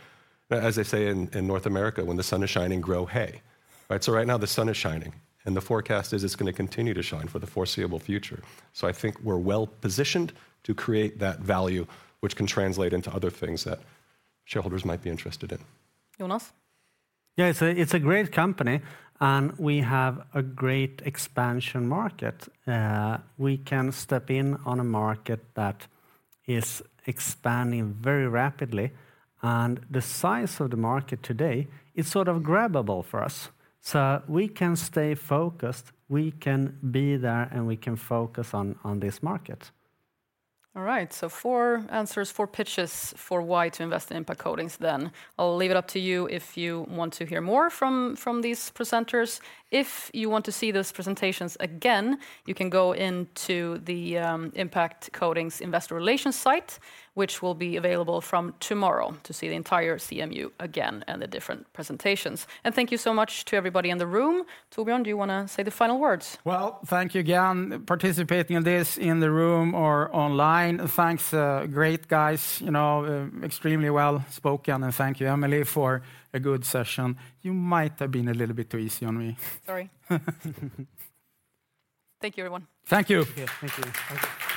As they say in North America, "When the sun is shining, grow hay," right? So right now, the sun is shining, and the forecast is it's going to continue to shine for the foreseeable future. So I think we're well-positioned to create that value, which can translate into other things that shareholders might be interested in. Jonas? Yeah, it's a great company, and we have a great expansion market. We can step in on a market that is expanding very rapidly, and the size of the market today is sort of grabbable for us. So we can stay focused, we can be there, and we can focus on this market. All right, so four answers, four pitches for why to invest in Impact Coatings then. I'll leave it up to you if you want to hear more from these presenters. If you want to see those presentations again, you can go into the Impact Coatings Investor Relations site, which will be available from tomorrow to see the entire CMU again and the different presentations. And thank you so much to everybody in the room. Torbjörn, do you want to say the final words? Well, thank you again, participating in this, in the room or online. Thanks, great guys, you know, extremely well spoken, and thank you, Emelie, for a good session. You might have been a little bit too easy on me. Sorry. Thank you, everyone. Thank you. Okay, thank you.